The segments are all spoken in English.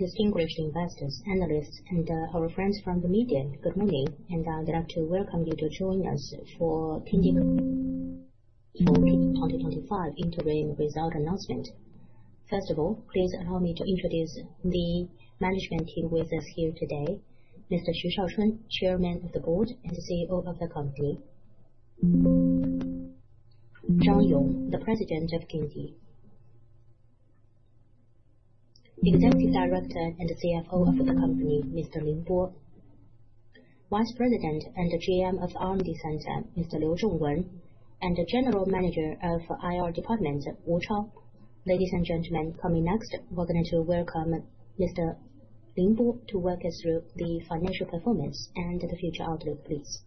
Distinguished investors, analysts and our friends from the media, good morning and I'd like to welcome you to join us for Kingdee 2025 Interim Result Announcement. First of all, please allow me to introduce the management team with us here today. Mr. Xu Shao Chun, Chairman of the Board and CEO of the company, Zhang Yong, the President of Kingdee, [Represent and] CFO of the company, Mr. Lin Bo, Vice President and GM of [R&D], Mr. Lio Zhong Wen, and the General Manager of IR Department, Wu Chao. Ladies and gentlemen, coming next, we're going to welcome Mr. Lin Bo to work us through the financial performance and the future outlook, please.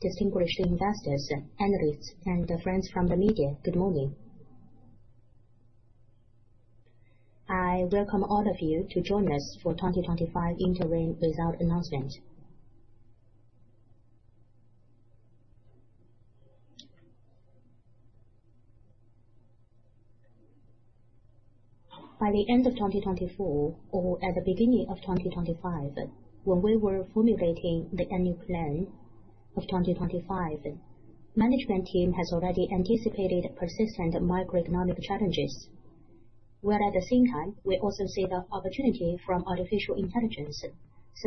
Distinguished investors, analysts and friends from the media, good morning. I welcome all of you to join us for 2025 interim result announcement. By the end of 2024 or at the beginning of 2025, when we were formulating the annual plan of 2025, management team has already anticipated persistent microeconomic challenges while at the same time we also see the opportunity from artificial intelligence.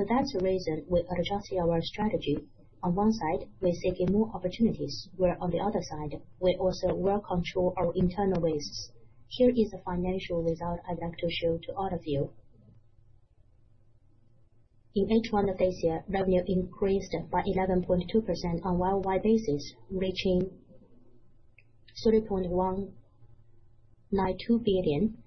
That's why we adjusted our strategy. On one side we're seeking more opportunities, while on the other side we also well control our internal wastes. Here is the financial result I'd like to show to all of you. In H1 of this year, revenue increased by 11.2% on a worldwide basis, reaching 3.192 billion.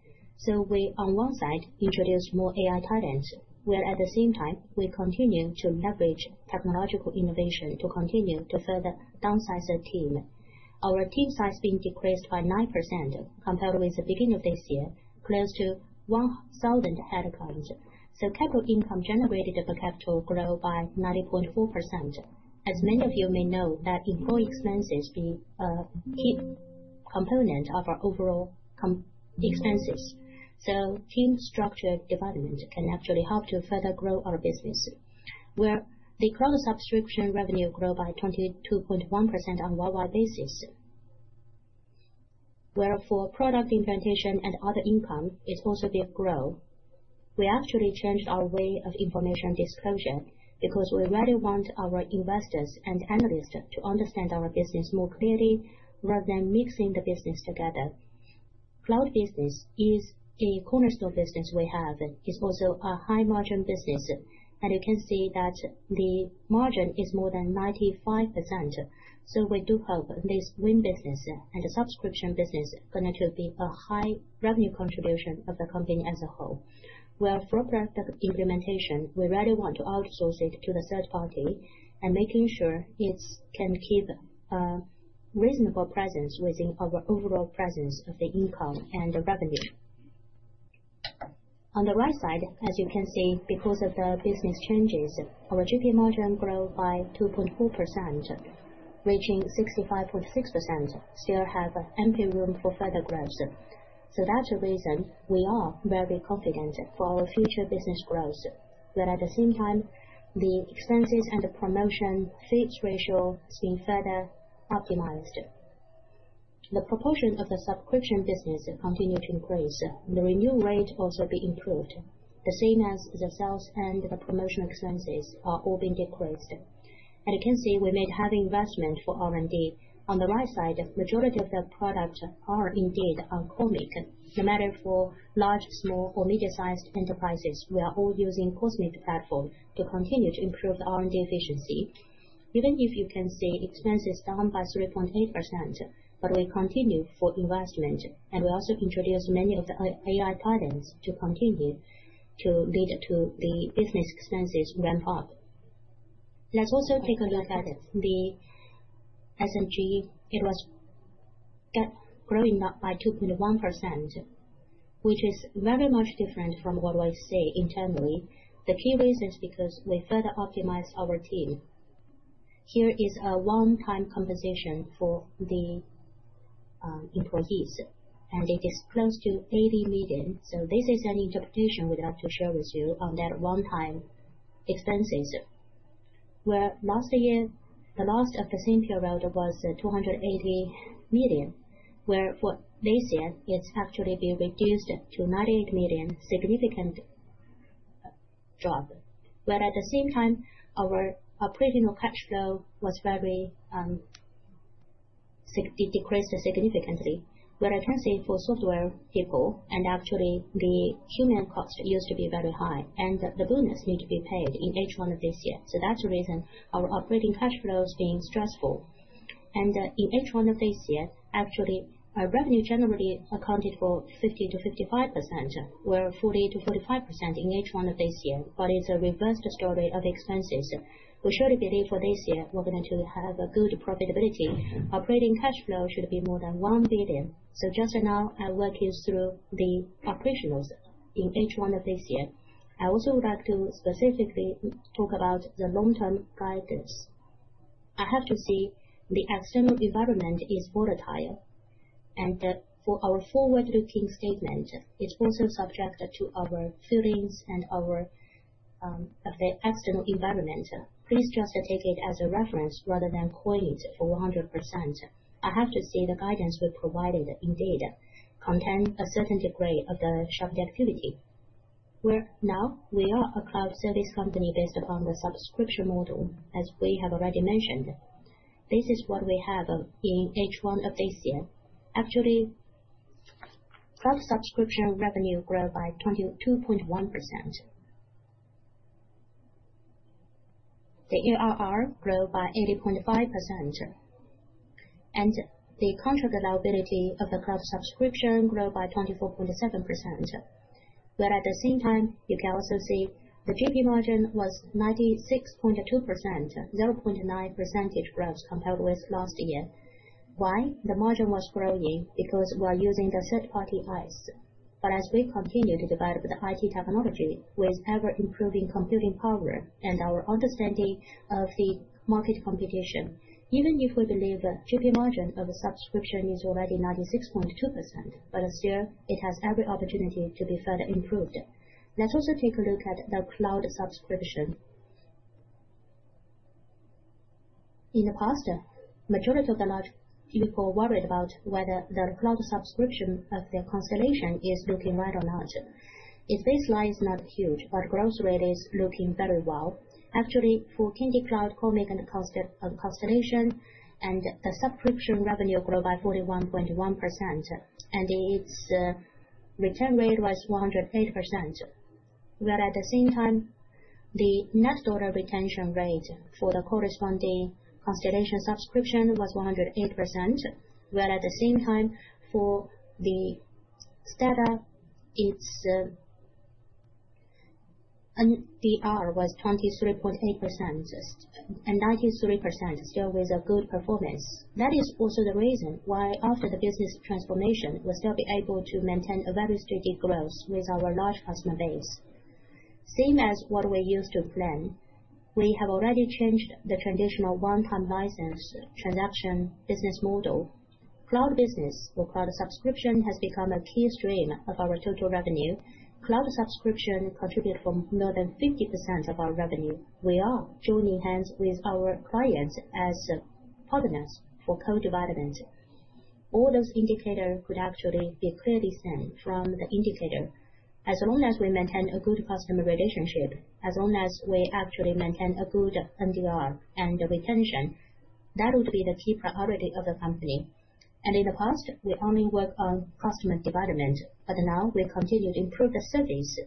We on one side introduced more AI talents, while at the same time we continue to leverage technological innovation to continue to further downsize the team. Our team size being decreased by 9% compared with the beginning of this year, close to 1,000 headcounts. Capital income generated per capita grew by 90.4%. As many of you may know, income expenses are a key component of our overall components expenses. Team structured development can actually help to further grow our business, where the cloud subscription revenue grew by 22.1% on a worldwide basis. For product implementation and other income, there is positive growth. We actually changed our way of information disclosure because we really want our investors and analysts to understand our business more clearly rather than mixing the business together. Cloud business is a cornerstone business we have. It's also a high margin business and you can see that the margin is more than 95%. We do hope this win business and the subscription business connect to the high revenue contribution of the company as a whole. For product implementation, we really want to outsource it to the third party and make sure it's [keeping] a reasonable presence within our overall presence of the income and revenue. On the right side, as you can see, because of the business changes, our gross profit margin grew by 2.4%, reaching 65.6%, still having ample room for further growth. That's the reason we are very confident for our future business growth. At the same time, the expenses and the promotion fees ratio has been further optimized. The proportion of the subscription business company increased, the renewal rate also improved, the same as the sales and the promotional expenses are all being decreased. As you can see, we made heavy investment for R&D. On the right side, majority of the products are indeed on Cosmic. No matter for large, small, or medium-sized enterprises, we are all using Cosmic platform to continue to improve the R&D efficiency. Even if you can see expenses down by 3.8%, we continue for investment and we also introduce many of the AI patterns to continue to lead to the business expenses when hot. Let's also take a look at the SMG. It was growing up by 2.1%, which is very much different from what I see internally. The key reason is because we further optimize our team. Here is a one-time composition for the employees and it is close to 80 million. This is an interpretation we'd like to share with you on that one-time expenses, where last year the last of the same period was 480 million, where for this year it's actually been reduced to 98 million significantly. At the same time, our operating cash flow was very decreased significantly. I can say for software people, actually the human cost used to be very high and the bonus need to be paid in H1 of this year. That's the reason our operating cash flow is being stressful and in H1 of this year, actually revenue generally accounted for 50%-55%, where 40%-45% in H1 of this year, but it's a reversed story of expenses. We should believe for this year we're going to have a good profitability. Operating cash flow should be more than 1 billion. Just now I walk you through the operationals in H1 of this year. I also would like to specifically talk about the long-term guidance. I have to say the external environment is volatile and for our forward-looking statement, it's also subject to our feelings and our external environment. Please just take it as a reference rather than coin it 100%. I have to see the guidance we provided in data and a certain degree of the subjectivity where now we are a cloud service company based upon the subscription model as we have already mentioned, this is what we have in H1 of this year. Actually, cloud subscription revenue grew by 22.1%, the ERR grew by 80.5%, and the contract availability of the cloud subscription grew by 24.7%. At the same time, you can also see the GP margin was 96.2%, a 0.9% growth compared with last. The reason the margin was growing is because we are using third party AIs, but as we continue to develop the high-tech technology with ever improving computing power and our understanding of the market competition, even if we believe GP margin of a subscription is already 96.2%, it still has every opportunity to be further improved. Let's also take a look at the cloud subscription. In the past, the majority of the large worried about whether the cloud subscription of the Constellation is looking right or not. If this line is not huge, the growth rate is looking very well. Actually for Kingdee Cloud Cosmic and Constellation, and the subscription revenue grew by 41.1% and its return rate was 180%. At the same time, the net order retention rate for the corresponding Constellation subscription was 108%, while at the same time for the startup, its MDR was 23.8% and 93%, still with a good performance. That is also the reason why after the business transformation we'll still be able to maintain a very steady growth with our large customer base, same as what we used to plan. We have already changed the traditional one-time license transaction business model. Cloud business or cloud subscription has become a key stream of our total revenue. Cloud subscription contributes more than 50% of our revenue. We are joining hands with our clients as partners for co-developments. All those indicators could actually be fairly same from the indicator as long as we maintain a good customer relationship, as long as we actually maintain a good MDR and retention, that would be the key priority of the company. In the past, we only worked on customer development, but now we continue to improve the service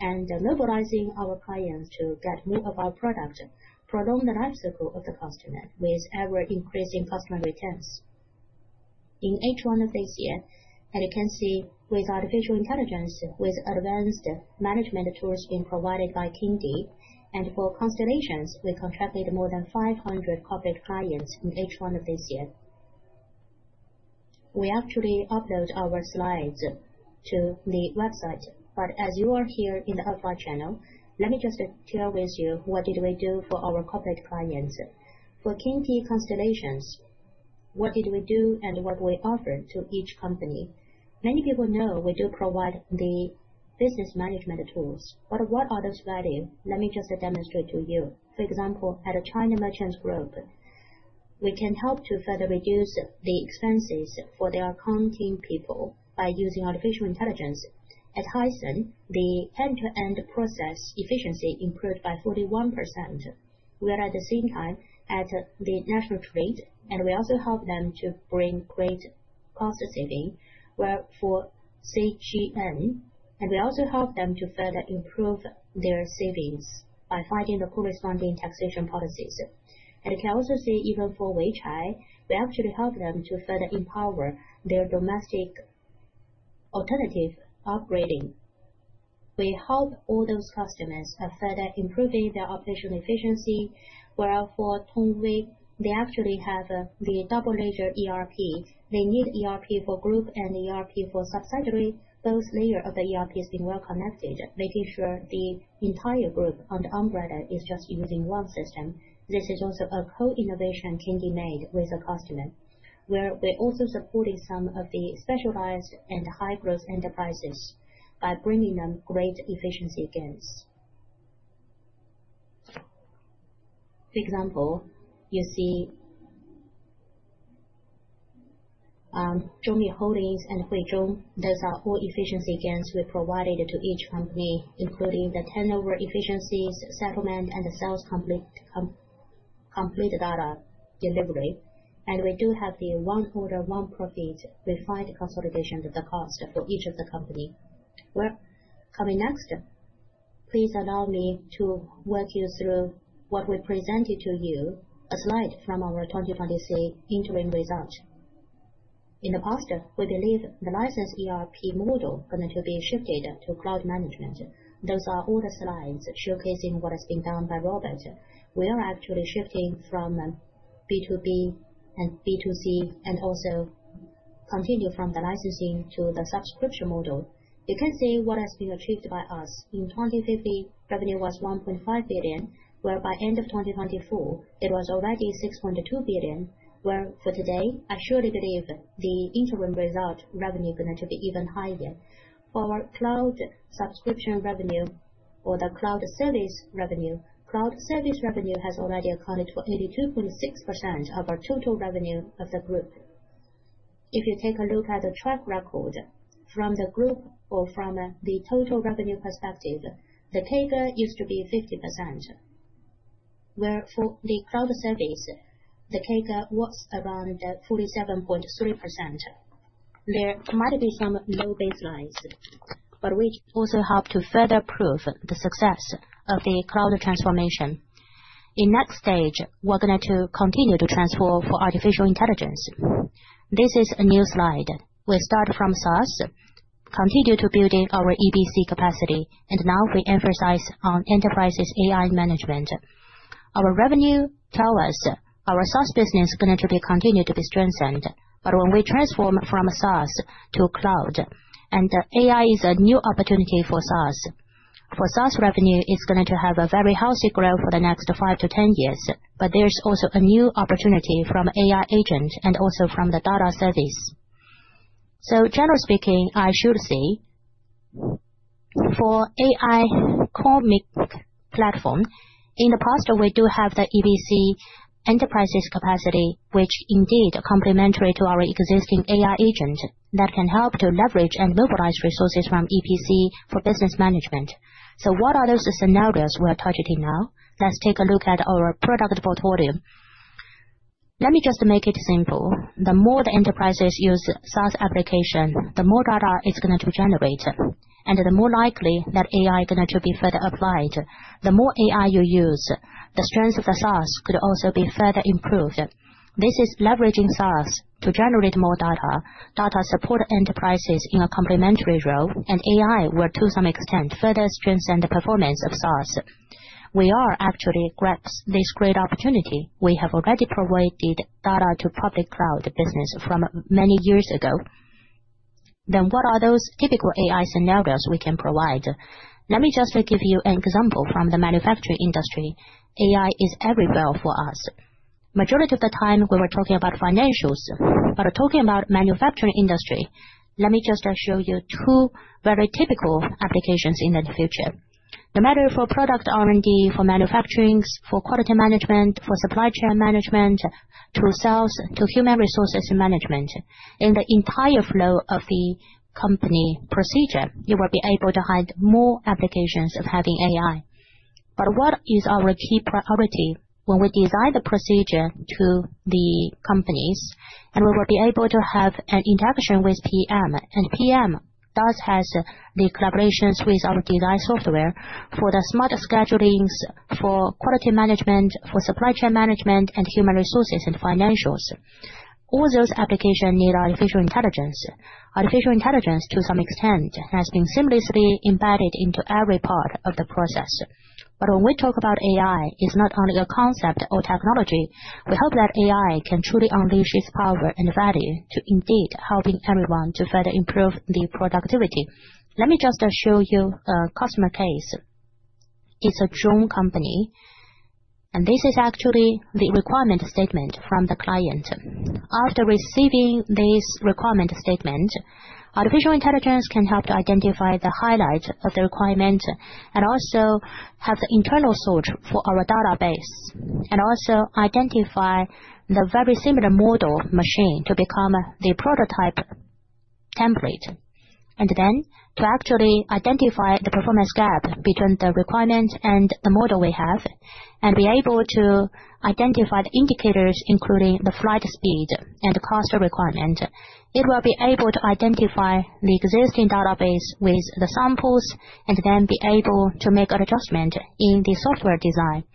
and mobilizing our clients to get more of our product, prolong the life cycle of the customer with ever increasing customer returns. In H1 of Asia, as you can see with artificial intelligence, with advanced management tools provided by Kingdee, and for Constellations, we constructed more than 500 corporate clients in [H1 of this year]. We actually upload our slides to the website, but as you are here in the RFI channel, let me just share with you what did we do for our corporate clients. For Kingdee Cloud Constellation, what did we do and what we offered to each company? Many people know we do provide the business management tools, but what are those value? Let me just demonstrate to you. For example, at [China Merchants Group] we can help to further reduce the expenses for their accounting people by using artificial intelligence. At Hisense, the end-to-end process efficiency improved by 41%. We are at the same time at the national fleet and we also help them to bring great cost saving where for CGM and we also help them to further improve their savings by fighting the corresponding taxation policies. You can also see even for Weichai we actually help them to further empower their domestic alternative upgrading. We hope all those customers have said improving their operational efficiency. While for Tongwei they actually have the double layer ERP, they need ERP for group and ERP for subsidiary. Both layer of the ERP is being well connected, making sure the entire group and umbrella is just using one system. This is also a co-innovation can be made with a customer where they also supported some of the specialized and high growth enterprises by bringing them great efficiency gains. For example, you see [Duo Mei] Holdings and [Fei Zhong]. Those are all efficiency gains we provided to each company including the turnover efficiencies settlement and the sales complete data delivery. We do have the one order one profit beside consolidation the cost for each of the company. Coming next, please allow me to walk you through what we presented to you aside from our 2023 interim results. In the past, we believe the licensed ERP model going to be shifted to cloud management. Those are all the slides showcasing what has been done by Robert. We are actually shifting from B2B and B2C and also continue from the licensing to the subscription model. You can see what has been achieved by us. In 2015, revenue was 1.5 billion, where by end of 2024 it was already 6.2 billion. Where for today, I surely believe the interim result revenue going to be even higher for cloud subscription revenue. For the cloud service revenue, cloud service revenue has already accounted for 82.6% of our total revenue of the group. If you take a look at the track record from the group or from the total revenue perspective, the CAGR used to be 50% where for the cloud service the CAGR was around 47.3%. There might be some low baselines, but we also have to further prove the success of the cloud transformation. In next stage, we're going to continue to transform for artificial intelligence. This is a new slide. We start from SaaS, continue to building our EBC capacity and now we emphasize on enterprises AI management. Our revenue tell us our SaaS business going to be continue to be strengthened. When we transform from SaaS to cloud and AI is a new opportunity for SaaS. For SaaS revenue is going to have a very healthy growth for the next five to 10 years. There's also a new opportunity from AI agent and also from the data service. Generally speaking I should say for AI Cosmic platform in the past we do have the EPC enterprises capacity which indeed complementary to our existing AI agent that can help to leverage and mobilize resources from EPC for business management. What are those scenarios we are targeting now? Let's take a look at our product portal. Let me just make it simple. The more the enterprises use SaaS application, the more data it's going to generate and the more likely that AI going to be further applied. The more AI you use, the strength of the SaaS could also be further improved. This is leveraging SaaS to generate more data. Data support enterprises in a complementary role and AI will to some extent further strengthen the performance of SaaS. We are actually grabs this great opportunity. We have already provided data to profit cloud business from many years ago. What are those typical AI scenarios we can provide? Let me just give you an example from the manufacturing industry. AI is every barrel for us. Majority of the time we were talking about financials but talking about manufacturing industry. Let me just show you two very typical applications in the future. No matter for product R&D, for manufacturing, for quality management, for supply chain management, for sales, to human resources management. In the entire flow of the company procedure you will be able to hide more applications of having AI. What is our key property? When we design the procedure to the companies, we will be able to have an interaction with PM, and PM thus has the collaborations with our design software for the smart schedulings, for quality management, for supply chain management, and human resources and financials. All those applications need artificial intelligence. Artificial intelligence to some extent has been seamlessly embedded into every part of the process. When we talk about AI, it is not only a concept or technology. We hope that AI can truly unleash its power and value to indeed helping everyone to further improve the productivity. Let me just show you a customer case. It's a drone company, and this is actually the requirement statement from the client. After receiving this requirement statement, artificial intelligence can help to identify the highlight of the requirement and also have internal sort for our database and also identify the very similar model machine to become the prototype and then to actually identify the performance gap between the requirement and the model we have and be able to identify the indicators including the flight speed and cost requirement. It will be able to identify the existing database with the samples and then be able to make adjustment in the software design.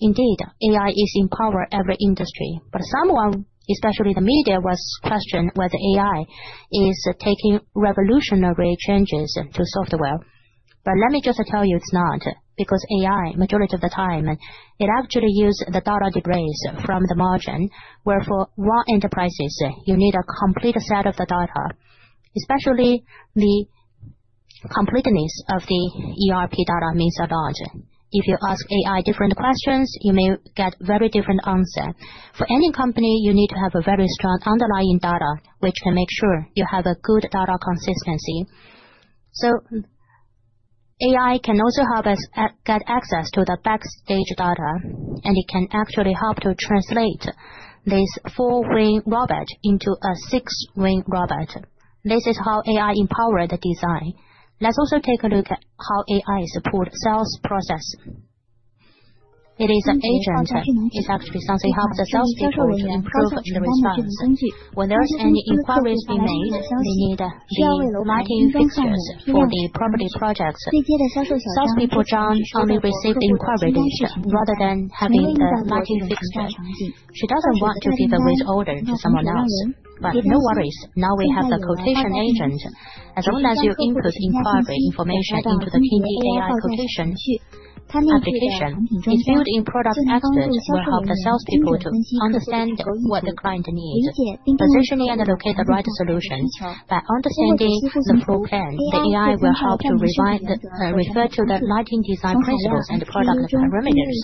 Indeed, AI is empower every industry, but someone, especially the media, was questioned whether AI is taking revolutionary changes to software. Let me just tell you it's not because AI majority of the time it actually use the data debris from the margin where for raw enterprises you need a complete set of the data. Especially the completeness of the ERP data means a large if you ask AI different questions you may get very different answer. Any company you need to have a very strong underlying data which can make sure you have a good data consistency. AI can also help us get access to the backstage data, and it can actually help to translate this four wing robot into a six wing robot. This is how AI empowered the design. Let's also take a look at how AI supports sales process. It is an agent help the sales improve the response when there's any inquiries being made. We need lighting properties projects. Lastly, for John Xiaomi received inquiry rather than having a lighting fixture, she doesn't want to give a raise order to someone else. No worries, now we have the Quotation Agent as well as your inputs in barbie information into the PDAI quotations timing vacation is filled in. Product access will help the salespeople to understand what the client needs potentially and allocate the right solutions. By understanding the program, the AI will help to refer to the lighting design principles and product parameters,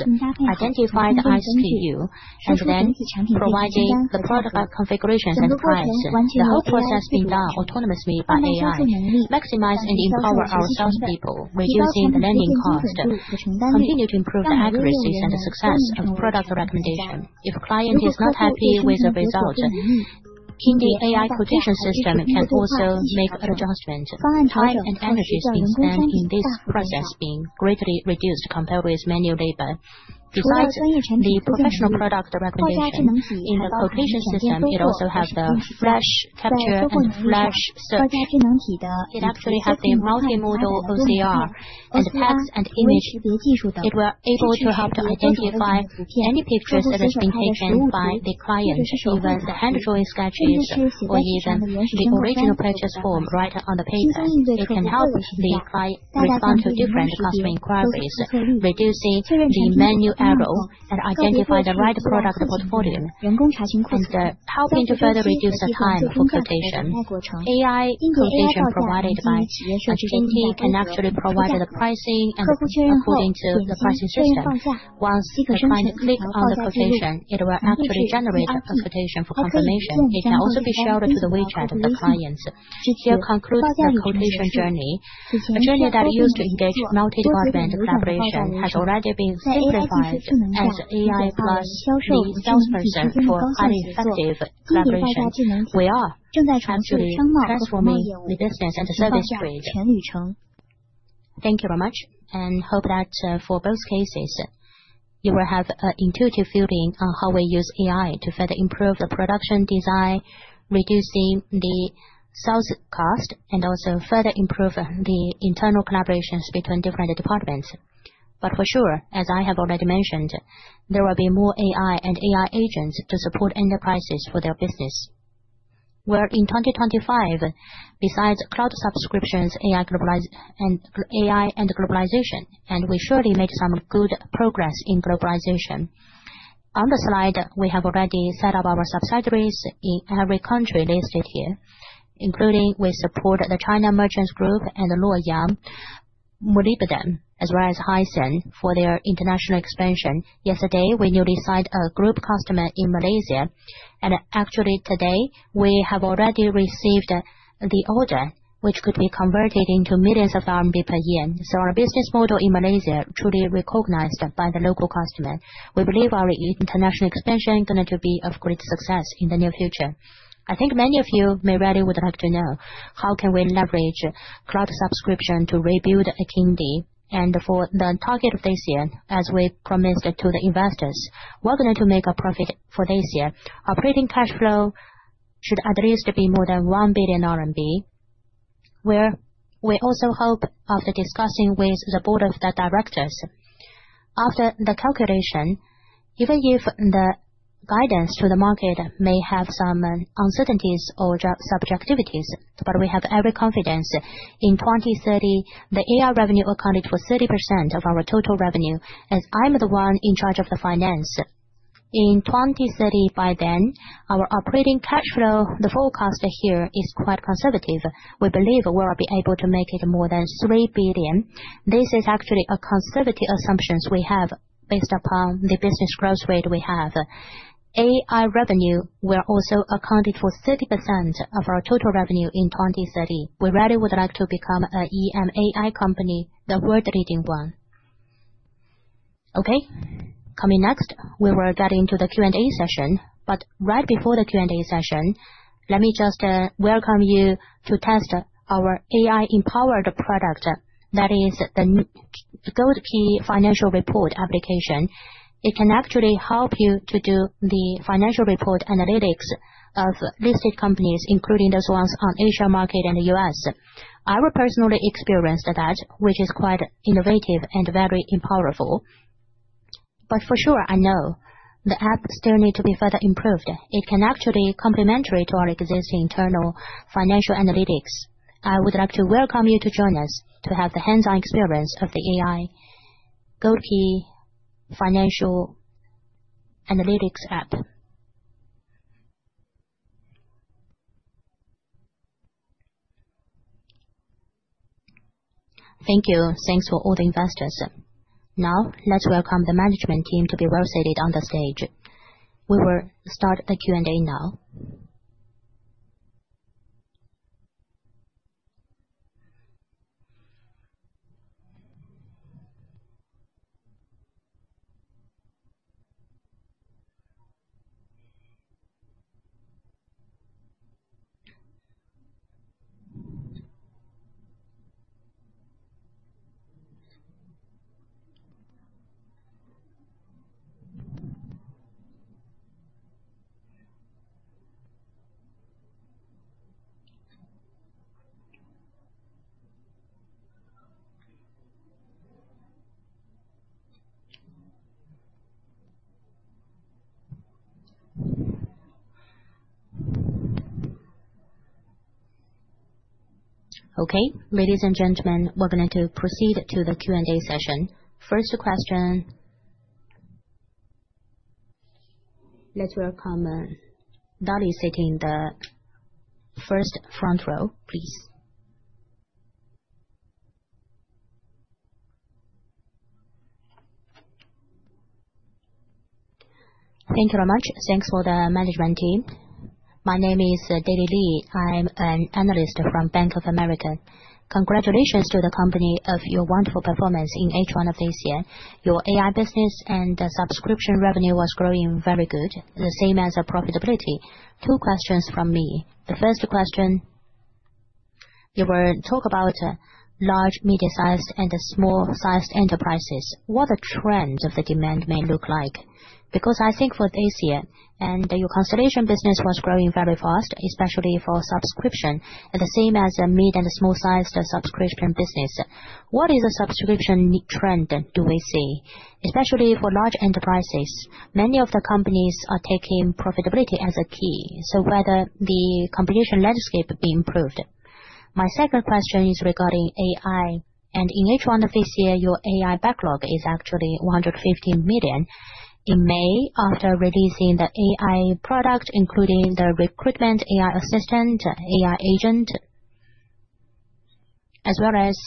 identify ties to you and then provide the product configurations and price, the whole process being done autonomously by AI. We maximize and empower our salespeople, reducing the lending cost, continue to improve accuracy and success of product recommendation. If client is not happy with the result, Kingdee AI quotation system can also make adjustments. Time and energy being spent in this process being greatly reduced compared with manual paper. Besides the professional product recommendation in the quotation system, it also has the fresh texture and flash surface. It actually has the multimodal OCR effects and image. It will be able to help them identify any pictures that have been taken by the client over the handbrake statues or lesion regional purchase form right on the page. It can help respond to different customer inquiries, reducing the menu error and identify the right product portfolio and helping to further reduce the time for quotation. AI implementation provided by can actually provide the pricing and according to the pricing system, once the client clicks on the position it will actually generate presentation for confirmation. It can also be shared to the WeChat of the clients. Since you conclude quotation journey, a journey that used to engage multi department collaboration has already been signified as AI plus social salesperson for highly incentive collaboration. We are transforming the business and service grid. Thank you very much and hope that for both cases you will have an intuitive feeling on how we use AI to further improve the production design, reducing the sales cost and also further improve the internal collaborations between different departments. For sure, as I have already mentioned, there will be more AI and AI agents to support enterprises for their business. Well in 2025, besides cloud subscriptions, AI, and globalization, we surely made some good progress in globalization. On the slide, we have already set up our subsidiaries in every country listed here, including we support the China Merchants Group and Luoyang as well as Hisense for their international expansion. Yesterday, we newly signed a group customer in Malaysia, and actually today we have already received the order, which could be converted into millions of RMB per year. So our business model in Malaysia is truly recognized by the local customer. We believe our international expansion is going to be of great success in the near future. I think many of you may very much like to know how can we leverage cloud subscription to rebuild Kingdee, and for the target of this year, as we promised to the investors, we're going to make a profit for this year. Operating cash flow should at least be more than 1 billion RMB, where we also hope of discussing with the board of directors after the calculation. Even if the guidance to the market may have some uncertainties or subjectivities, we have every confidence in 2030 the AI revenue accounted for 30% of our total revenue. As I'm the one in charge of the finance, in 2030 by then our operating cash flow, the forecast here is quite conservative. We believe we'll be able to make it more than 3 billion. This is actually a conservative assumption we have based upon the business growth rate we have. AI revenue will also account for 30% of our total revenue in 2030. We really would like to become an enterprise management AI company, the world leading one. Coming next, we will get into the Q&A session, but right before the Q&A session, let me just welcome you to test our AI-empowered product, that is the Golden Key Financial Report application. It can actually help you to do the financial report analytics of these companies, including those ones on Asia market and the U.S. I will personally experience that, which is quite innovative and very powerful. For sure, I know the app still needs to be further improved. It can actually be complementary to our existing internal financial analytics. I would like to welcome you to join us to have the hands-on experience of the AI Gold Key Financial analytics hub. Thank you. Thanks for all the investors. Now let's welcome the management team to be rotated on the stage. We will start the Q&A now. Okay, ladies and gentlemen, we're going to proceed to the Q&A session. First question. Let's welcome [Dai Li] sitting in the first front row, please. Thank you very much. Thanks for the management team. My name is [Dai Lili]. I'm an analyst from Bank of America. Congratulations to the company on your wonderful performance in H1 of this year. Your AI business and subscription revenue was growing very good, the same as the profitability. Two questions from me. The first question, you talked about large, medium-sized, and small-sized enterprises. What do the trends of the demand look like? Because I think for this year your Constellation business was growing very fast, especially for subscription, the same as the mid and small-sized subscription business. What is the subscription trend do we see, especially for large enterprises? Many of the companies are taking profitability as a key, so whether the competition landscape be improved. My second question is regarding AI, and in H1 of this year your AI backlog is actually 150 million. In May, after releasing the AI product, including the Recruitment AI assistant, AI agent, as well as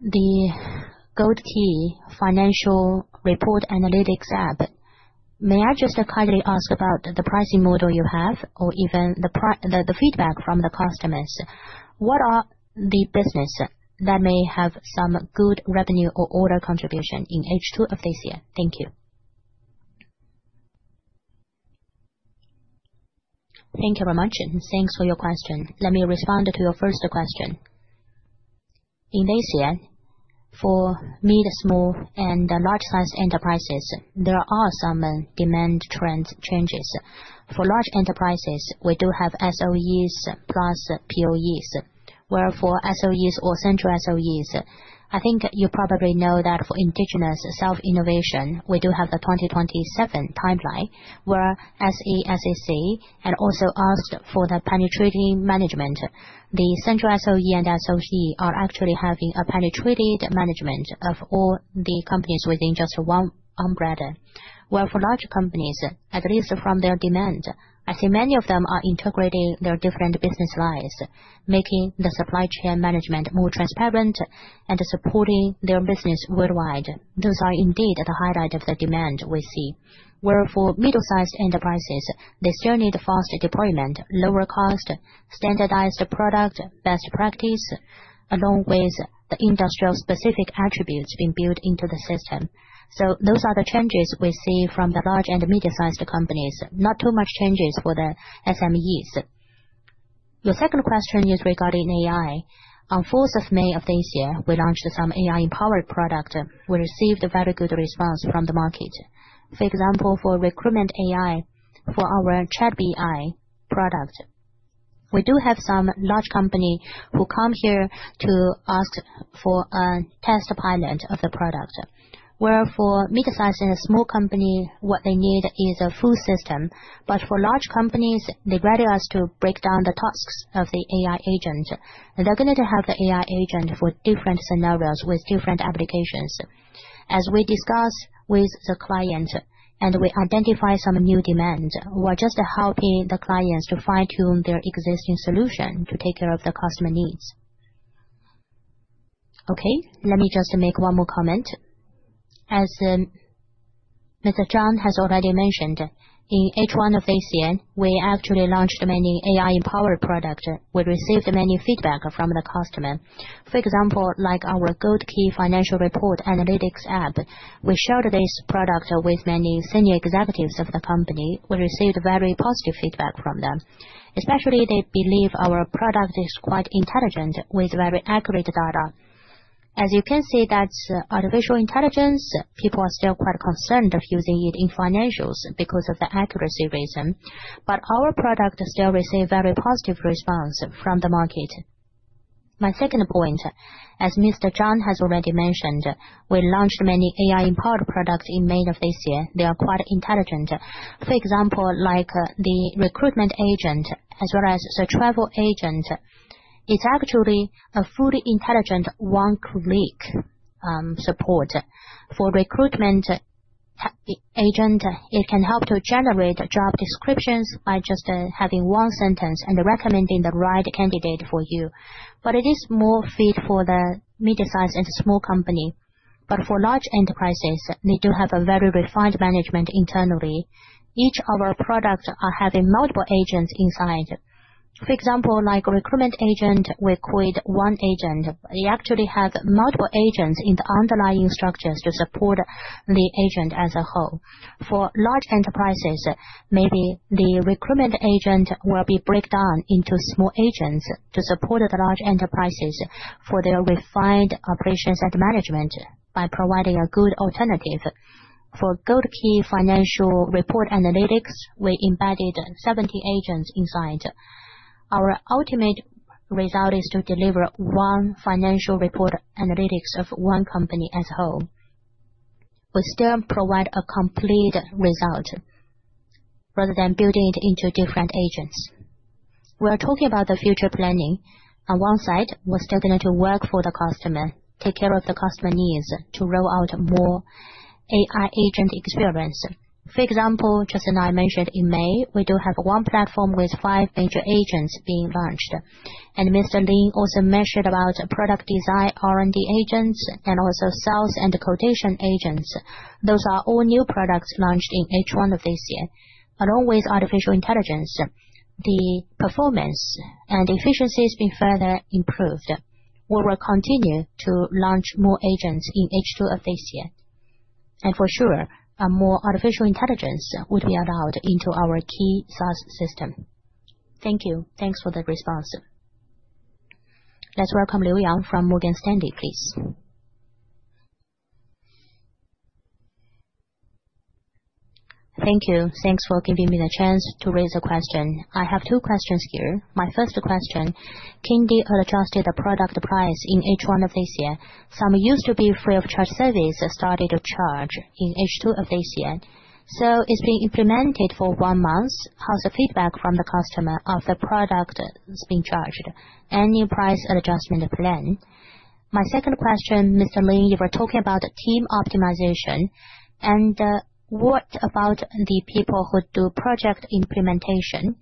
the Golden Key Financial Report analytics app, may I just kindly ask about the pricing model you have or even the feedback from the customers. What are the businesses that may have some good revenue or order contribution in H2 of this year? Thank you. Thank you very much and thanks for your question. Let me respond to your first question. In Asia, for mid, small, and large-size enterprises, there are some demand trend changes. For large enterprises, we do have SOEs plus POEs, where for SOEs or central SOEs, I think you probably know that for indigenous self-innovation, we do have the 2027 timeline where SE SEC and also asked for the penetrating management. The central SOE and SOC are actually having a penetrated management of all the companies within just one umbrella. While for large companies, at least from their demand, I see many of them are integrating their different business lines, making the supply chain management more transparent, and supporting their business worldwide. Those are indeed the highlight of the demand we see. For middle-sized enterprises, they still need faster deployment, lower cost, standardized product best practice, along with the industrial-specific attributes being built into the system. Those are the changes we see from the large and medium-sized companies. Not too much changes for the SMEs. Your second question is regarding AI. On 4th of May of this year we launched some AI-powered product. We received a very good response from the market. For example, for Recruitment AI, for our ChatBI product, we do have some large company who come here to ask for a test pilot of the product. Where for microsize and a small company, what they need is a full system, but for large companies, they ready us to break down the tasks of the AI agent and they're going to have the AI agent for different scenarios with different applications. As we discuss with the client and we identify some new demands, we're just helping the clients to fine-tune their existing solution to take care of the customer needs. Okay, let me just make one more comment. As Mr. Zhang has already mentioned, in H1, we actually launched many AI-powered products. We received many feedback from the customer. For example, like our Golden Key Financial Report analytics app, we shared this product with many senior executives of the company. We received very positive feedback from them, especially they believe our product is quite intelligent with very accurate data. As you can see, that's artificial intelligence. People are still quite concerned of using it in financials because of the accuracy reason, but our product still receive very positive response from the market. My second point, as Mr. Zhang has already mentioned, we launched many AI-powered products in May of this year. They are quite intelligent. For example, like the Recruitment Agent as well as the travel agent, it's actually a fully intelligent one could make support. for Recruitment Agent, it can help to generate job descriptions by just having one sentence and recommending the right candidate for you, but it is more fit for the mid-sized and small company. For large enterprises, need to have a very refined management internally. Each of our products are having multiple agents inside. For example, like Recruitment Agent, we quit one agent. We actually have multiple agents in the underlying structures to support the agent as a whole. For large enterprises, maybe the Recruitment Agent will be broken down into small agents to support the large enterprises for their refined operations and management by providing a good alternative. For Golden Key Financial Report analytics, we embedded 70 agents inside. Our ultimate result is to deliver one financial report analytics of one company as a whole. We still provide a complete result rather than building it into different agents. We are talking about the future planning. On one side, we're starting to work for the customer, take care of the customer needs to roll out more AI agent experience. For example, just as I mentioned, in May we do have one platform with five major agents being launched, and Mr. Lin also mentioned about product design, R&D agents, and also sales and quotation agents. Those are all new products launched in H1 of this year. Along with artificial intelligence, the performance and efficiency has been further improved. We will continue to launch more agents in H2 of this year. For sure, more artificial intelligence would be allowed into our key SaaS system. Thank you. Thanks for the response. Let's welcome Liu Yang from Morgan Stanley, please. Thank you. Thanks for giving me the chance to raise a question. I have two questions here. My first question, Kingdee adjusted the product price in H1 of this year. Some used to be free of charge service started to charge in H2 of this year. It's been implemented for one month. How's the feedback from the customer of the product being charged? Any price adjustment plan? My second question, Mr. Lin, you were talking about team optimization and what about the people who do project implementation?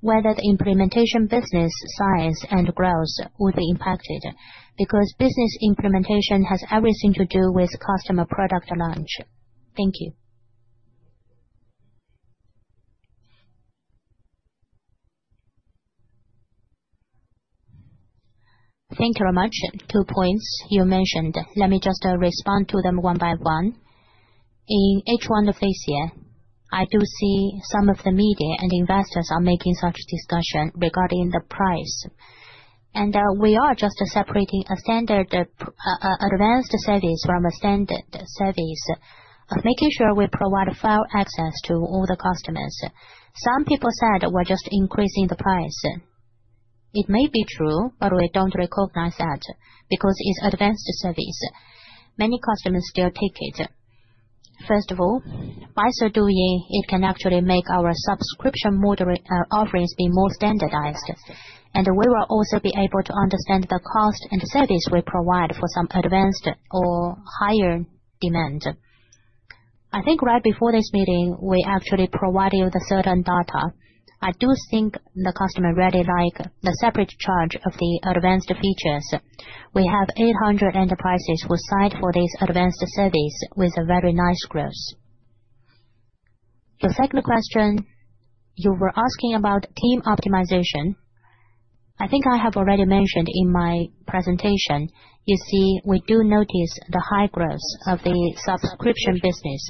Whether the implementation, business science, and growth would be impacted because business implementation has everything to do with customer product launch. Thank you. Thank you very much. Two points you mentioned. Let me just respond to them one by one. In H1 of this year, I do see some of the media and investors are making such discussion regarding the price, and we are just separating a standard advanced service from a standard service, making sure we provide file access to all the customers. Some people said we're just increasing the price. It may be true, but we don't recognize that because it's advanced service. Many customers still take it. First of all, by so doing, it can actually make our subscription offerings be more standardized, and we will also be able to understand the cost and service we provide for some advanced or higher demand. I think right before this meeting we actually provide you the certain data. I do think the customer really like the separate charge of the advanced features. We have 800 enterprises who signed for this advanced service with a very nice growth. The second question you were asking about team optimization I think I have already mentioned in my presentation. You see, we do notice the high growth of the subscription business.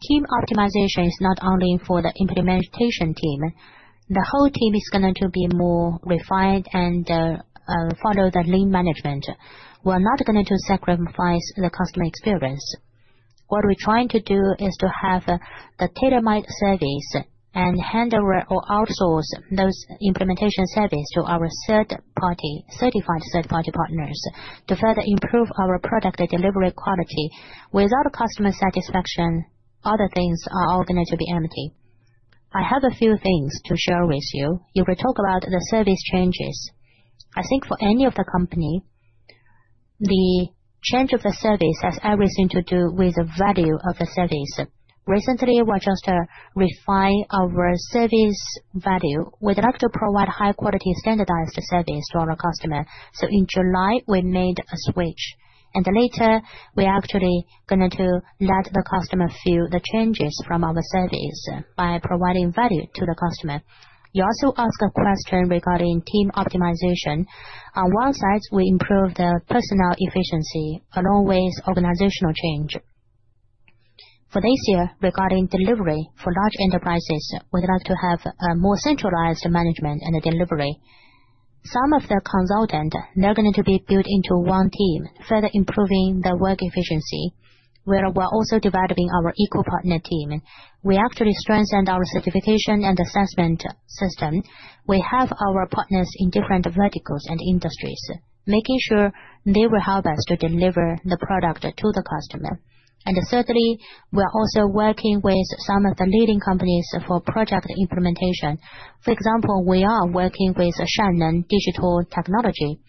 Team optimization is not only for the implementation team. The whole team is going to be more refined and follow the lean management. We're not going to sacrifice the customer experience. What we're trying to do is to have the tailor-made service and handle or outsource those implementation service to our certified third party partners to further improve our product delivery quality. Without customer satisfaction, other things are all going to be empty. I have a few things to share with you. If we talk about the service changes, I think for any of the company, the change of the service has everything to do with the value of the service. Recently we just refined our service value. We'd like to provide high quality standardized service to our customer. In July we made a switch, and later we actually are going to let the customer feel the changes from our service by providing value to the customer. You also asked a question regarding team optimization. On one side, we improve the personnel efficiency along with organizational change. For this year, regarding delivery for large enterprises, we'd like to have more centralized management and delivery. Some of the consultants, they're going to be built into one team, further improving the work efficiency. We're also developing our eco partner team. We actually strengthened our certification and assessment system. We have our partners in different verticals and industries making sure they will help us to deliver the product to the customer. We are also working with some of the leading companies for project implementation. For example, we are working with Xiamen Digital Technology,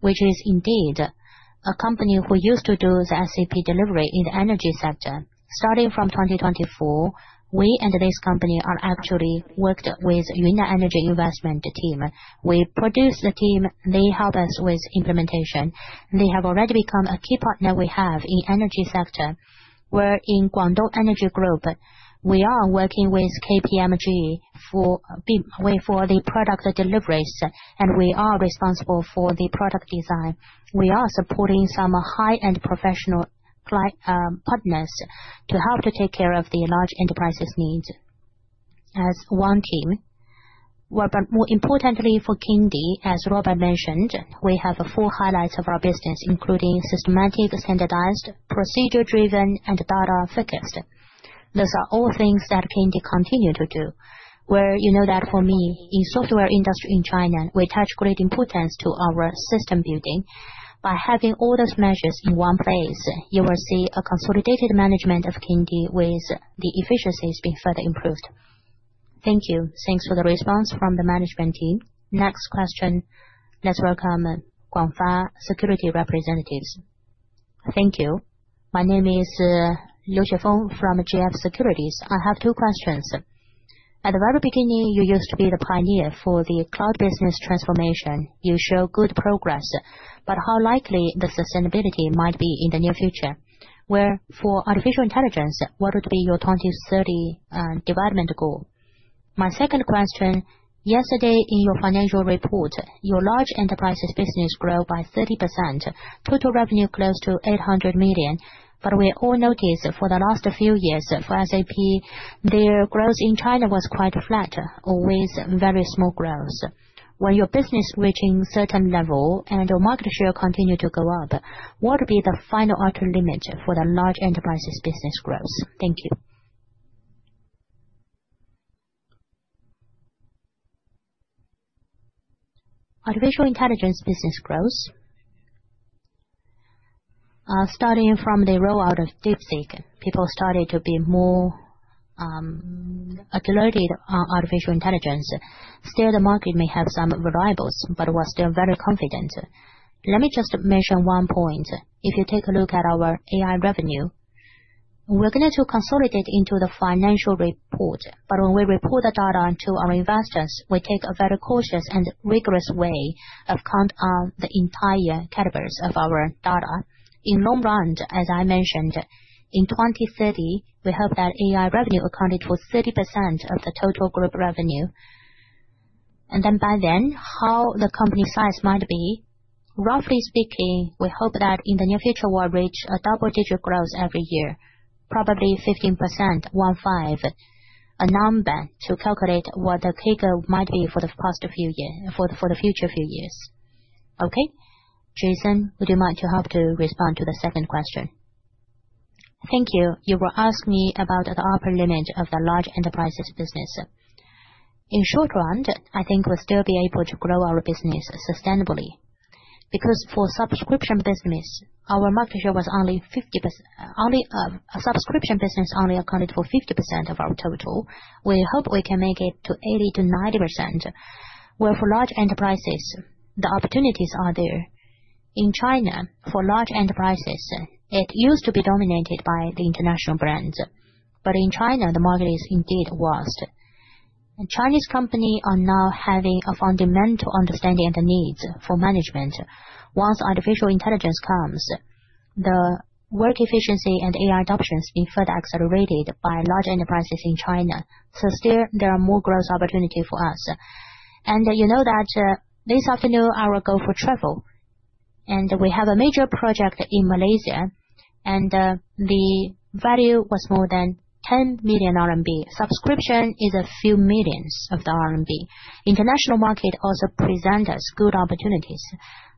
which is indeed a company who used to do the SAP delivery in the energy sector. Starting from 2024, we and this company actually worked with Yunnan Energy Investment team. We produce the team, they help us with implementation. They have already become a key partner we have in the energy sector where in Guangdong Energy Group. We are working with KPMG for the product deliveries and we are responsible for the product design. We are supporting some high end professional partners to help to take care of the large enterprises' need as one team. More importantly for Kingdee, as Robert mentioned, we have four highlights of our business including systematic, standardized, procedure driven, and data focused. These are all things that PND continue to do. Where you know that for me, in software industry in China, we attach grading footnotes to our system building. By having all those measures in one phase, you will see a consolidated management of Kingdee with the efficiencies being further improved. Thank you. Thanks for the response from the management team. Next question. Let's welcome Guangfa Security representatives. Thank you. My name is [Liu Xiefeng] from GF Securities. I have two questions. At the very beginning, you used to be the pioneer for the cloud business transformation. You show good progress. How likely the sustainability might be in the near future? Where for artificial intelligence, what would be your 2030 development goal? My second question, yesterday in your financial report, your large enterprises business grew by 30%, total revenue close to 800 million. We all notice for the last few years for SAP, their growth in China was quite flat, always very small growth. When your business reaches a certain level and your market share continues to go up, what would be the final outer limit for the large enterprises business growth? Thank you. Artificial intelligence business growth, starting from the rollout of DeepSeek, people started to be more alerted on artificial intelligence. Still the market may have some variables, but was still very confident. Let me just mention one point, if you take a look at our AI revenue. We're going to consolidate into the financial report. When we report the data to our investors, we take a very cautious and rigorous way of counting on the entire categories of our data. In the long run, as I mentioned, in 2030 we hope that AI revenue accounted for 30% of the total group revenue and then by then how the company size might be. Roughly speaking, we hope that in the near future we'll reach a double-digit growth every year, probably 15%. 15%, a number to calculate what the figure might be for the past few years, for the future few years. Okay, Jason, would you mind responding to the second question? Thank you. You asked me about the upper limit of the large enterprises business. In the short run, I think we'll still be able to grow our business sustainably. For subscription business, our market share was only 50%. Subscription business only accounted for 50% of our total. We hope we can make it to 80%-90%. For large enterprises, the opportunities are there. In China, for large enterprises, it used to be dominated by the international brands. In China, the market is indeed worse. Chinese companies are now having a fundamental understanding and needs for management. Once artificial intelligence comes, the work efficiency and AI adoptions will be further accelerated by large enterprises in China. There are more growth opportunities for us. You know that this afternoon our go for travel and we have a major project in Malaysia and the value was more than 10 million RMB. Subscription is a few millions of the RMB. International market also presents us good opportunities.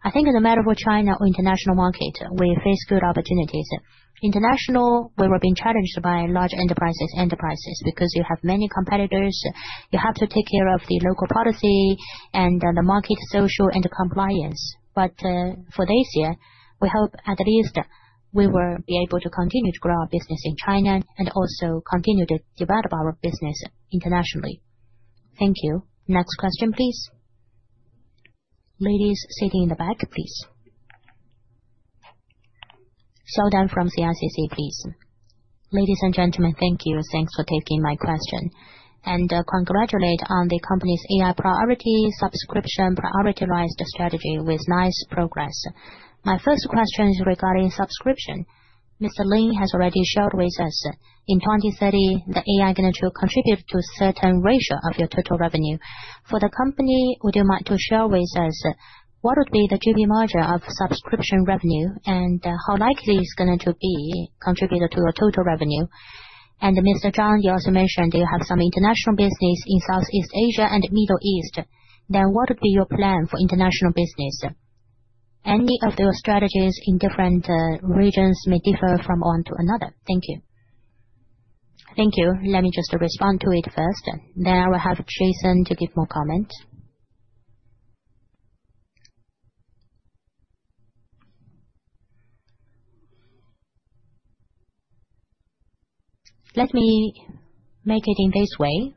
I think in the matter for China or international market, we face good opportunities. International, we are being challenged by large enterprises because you have many competitors. You have to take care of the local policy and the market, social, and compliance. For this year, we hope at least we will be able to continue to grow our business in China and also continue to develop our business internationally. Thank you. Next question please. Ladies sitting in the back please. [Shaodan] from CRCC. Ladies and gentlemen, thank you. Thanks for taking my question and congratulations on the company's AI priority, subscription-prioritized strategy with nice progress. My first question is regarding subscription. Mr. Lin has already shared with us in 2030 the AI is going to contribute to a certain ratio of your total revenue for the company. Would you mind to share with us what would be the gross profit margin of subscription revenue and how likely it's going to be contributed to your total revenue. Mr. Zhang, you also mentioned you have some international business in Southeast Asia and Middle East. What would be your plan for international business? Any of those strategies in different regions may differ from one to another? Thank you. Thank you. Let me just respond to it first. I will have Jason to give more comments. Let me make it in this way.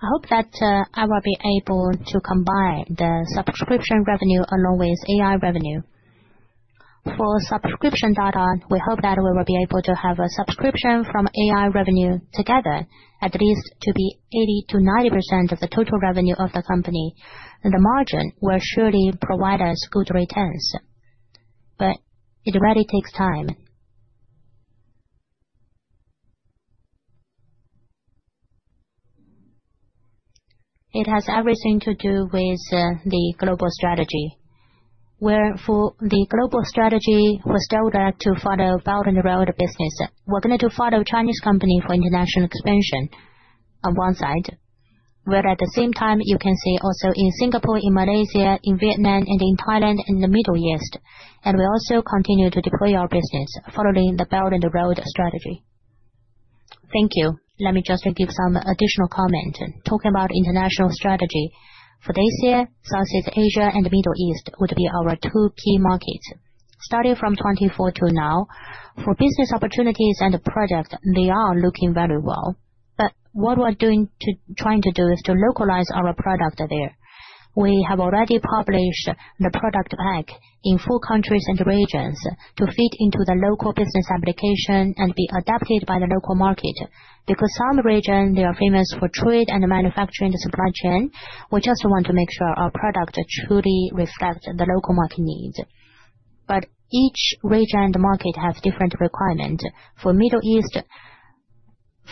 I hope that I will be able to combine the subscription revenue along with AI revenue for subscription data. We hope that we will be able to have a subscription from AI revenue together at least to be 80%-90% of the total revenue of the company. The margin will surely provide us good returns. It really takes time. It has everything to do with the global strategy where for the global strategy was told to follow Belt and Road business. We are going to follow Chinese company for international expansion on one side where at the same time you can see also in Singapore, in Malaysia, in Vietnam, and in Thailand in the Middle East. We also continue to deploy our business following the Belt and Road strategy. Thank you. Let me just give some additional comment talking about international strategy for this year. Southeast Asia and Middle East would be our two key markets starting from 2024 to now for business opportunities and projects. They are looking very well. What we're doing to trying to do is to localize our product there. We have already published the product pack in four countries and regions to fit into the local business application and be adapted by the local market. Some region they are famous for trade and manufacturing the supply chain. We just want to make sure our product truly reflects the local market needs. Each region and market has different requirements. For Middle East,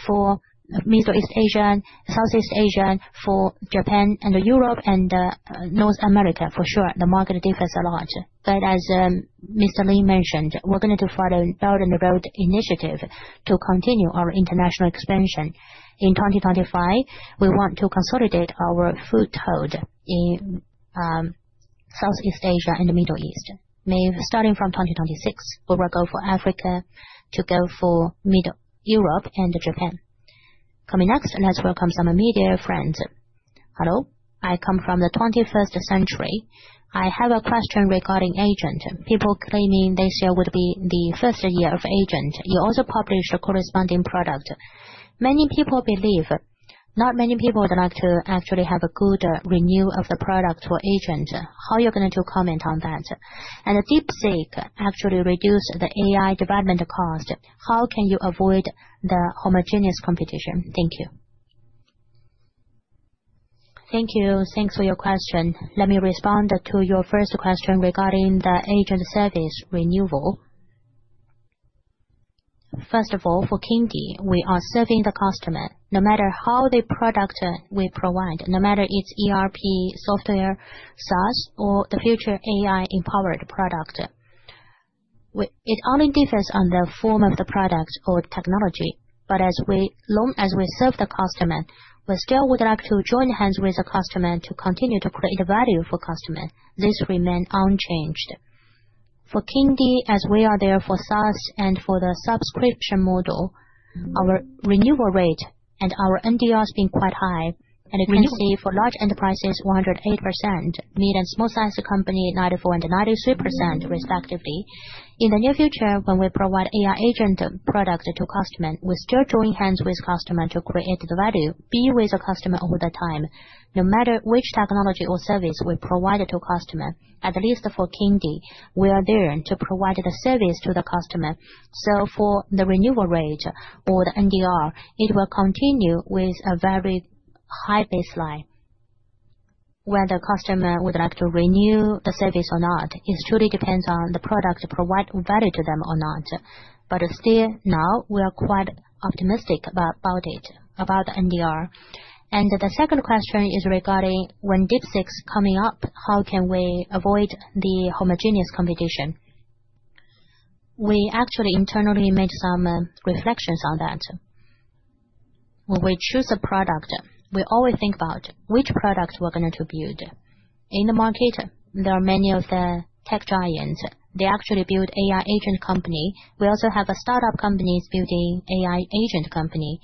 for Southeast Asia, for Japan and Europe and North America for sure the market deepens a lot. As Mr. Lin mentioned, we are going to follow Northern Road initiative to continue our international expansion. In 2025, we want to consolidate our foothold in Southeast Asia and the Middle East. Starting from 2026, we will go for Africa to go for Mid Europe and Japan. Coming next, let's welcome some media friends. Hello, I come from the 21st century. I have a question regarding agent. People claiming this year would be the first year of agent. You also publish a corresponding product. Many people believe not many people would like to actually have a good review of the product for agent. How you're going to comment on that and DeepSeek actually reduce the AI development cost. How can you avoid the homogeneous competition? Thank you. Thank you. Thanks for your question. Let me respond to your first question regarding the agent service renewal. First of all, for Kingdee, we are serving the customer no matter how the product we provide, no matter it's ERP software, SaaS, or the future AI-powered product. It only differs on the form of the products or technology. As long as we serve the customer, we still would like to join hands with the customer to continue to create value for customer. This remains unchanged. For Kingdee as we are there for SaaS and for the subscription model, our renewal rate and our NDR is being quite high. For large enterprises, 108%, mid and small size company, 94% and 93% respectively. In the near future, when we provide AI agent products to customers, we still join hands with customer to create the value, be with the customer over time. No matter which technology or service we provide to customer, at least for Kingdee, we are there to provide the service to the customer. For the renewal rate or NDR, it will continue with a very high baseline. When the customer would like to renew the service or not, it truly depends on the product providing value to them or not. Still now, we are quite optimistic about it, about NDR. The second question is regarding DeepSeek is coming up. How can we avoid the homogeneous competition? We actually internally made some reflections on that. When we choose a product, we always think about which products we're going to build in the market. There are many of the tech giants, they actually build AI agent company. We also have startup companies building AI agent company.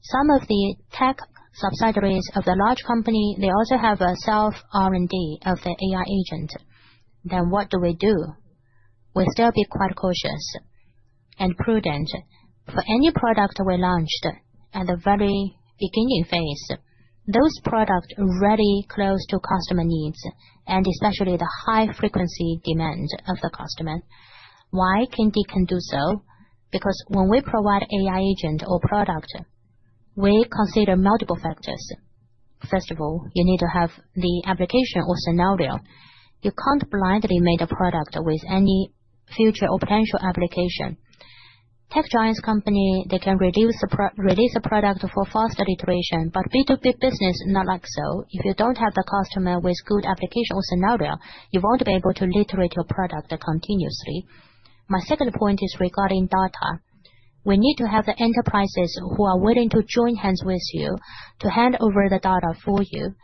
Some of the tech subsidiaries of the large company, they also have a self R&D of the AI agent. What do we do? We still be quite cautious and prudent. Any product we launched at the very beginning phase, those products really close to customer needs and especially the high frequency demand of the customer. Why Kingdee can do so? Because when we provide AI agent or product, we consider multiple factors. First of all, you need to have the application or scenario. You can't blindly make a product with any future or potential application. Tech giants company, they can release a product for faster iteration. B2B business not like so. If you don't have the customer with good application or scenario, you won't be able to iterate your product continuously. My second point is regarding data. We need to have the enterprises who are willing to join hands with you to hand over the data for you.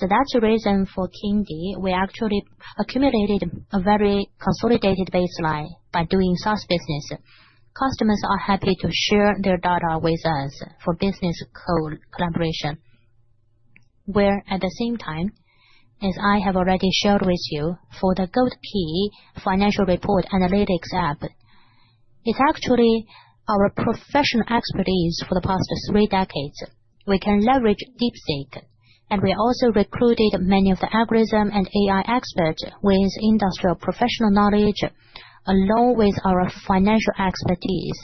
That's the reason for Kingdee. We actually accumulated a very consolidated baseline by doing SaaS business. Customers are happy to share their data with us for business collaboration. At the same time, as I have already shared with you for the Golden Key Financial Report analytics app, it's actually our professional expertise for the past three decades. We can leverage DeepSeek. We also recruited many of the algorithm and AI experts with industrial professional knowledge along with our financial expertise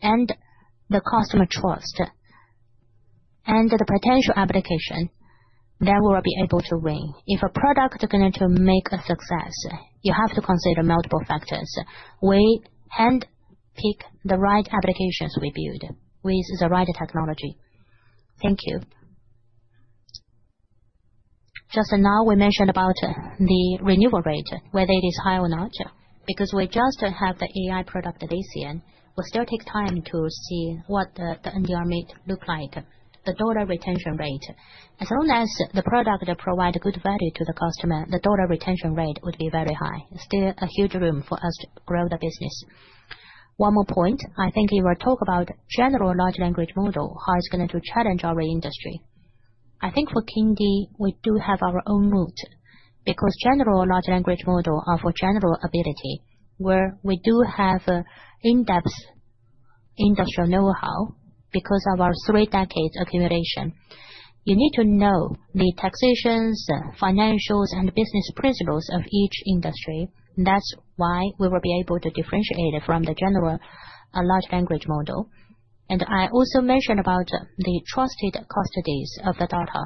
and the customer trust and the potential application that will be able to win. If a product can actually make a success, you have to consider multiple factors, weigh and pick the right applications we build with the right technology. Thank you. Just now we mentioned about the renewal rate, whether it is high or not. Because we just have the AI product this year, we still take time to see what the NDR might look like, the dollar retention rate. As long as the product provides good value to the customer, the dollar retention rate would be very high. Still a huge room for us to grow the business. One more point. I think if I talk about general large language model, how it's going to challenge our industry. I think for Kingdee we do have our own moat because general large language model are for general ability where we do have in-depth industrial know-how because of our three decades accumulation. You need to know the taxations, financials, and business principles of each industry. That's why we will be able to differentiate from the general large language model. I also mentioned about the trusted custodies of the data.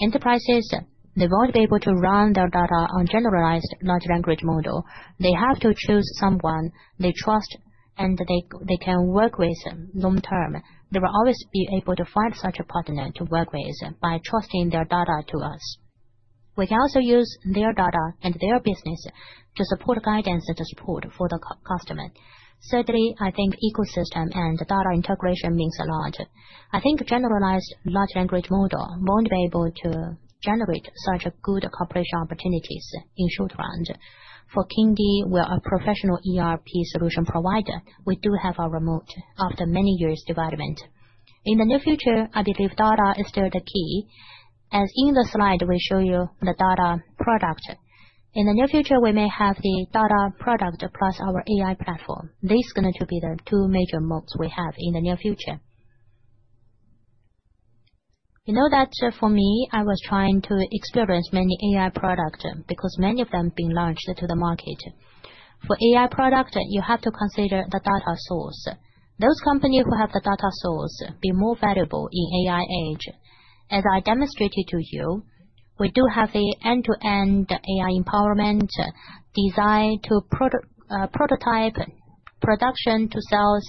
Enterprises, they won't be able to run their data on generalized large language model. They have to choose someone they trust and they can work with long term. They will always be able to find such a partner to work with by trusting their data to us. We can also use their data and their business to support guidance and support for the customer. Sadly, I think ecosystem and the data integration means a lot. I think generalized large language model won't be able to generate such a good corporation opportunities in short run for Kingdee. We are a professional ERP solution provider. We do have a remote after many years development in the near future, I believe data is still the key. As in the slide we show you the data product. In the near future we may have the data product plus our AI platform. This is going to be the two major modes we have in the near future. You know that for me I was trying to experience many AI product because many of them being launched to the market. For AI product you have to consider the data source. Those companies who have the data source be more valuable in AI age. As I demonstrated to you, we do have the end-to-end AI empowerment design to prototype production to sales.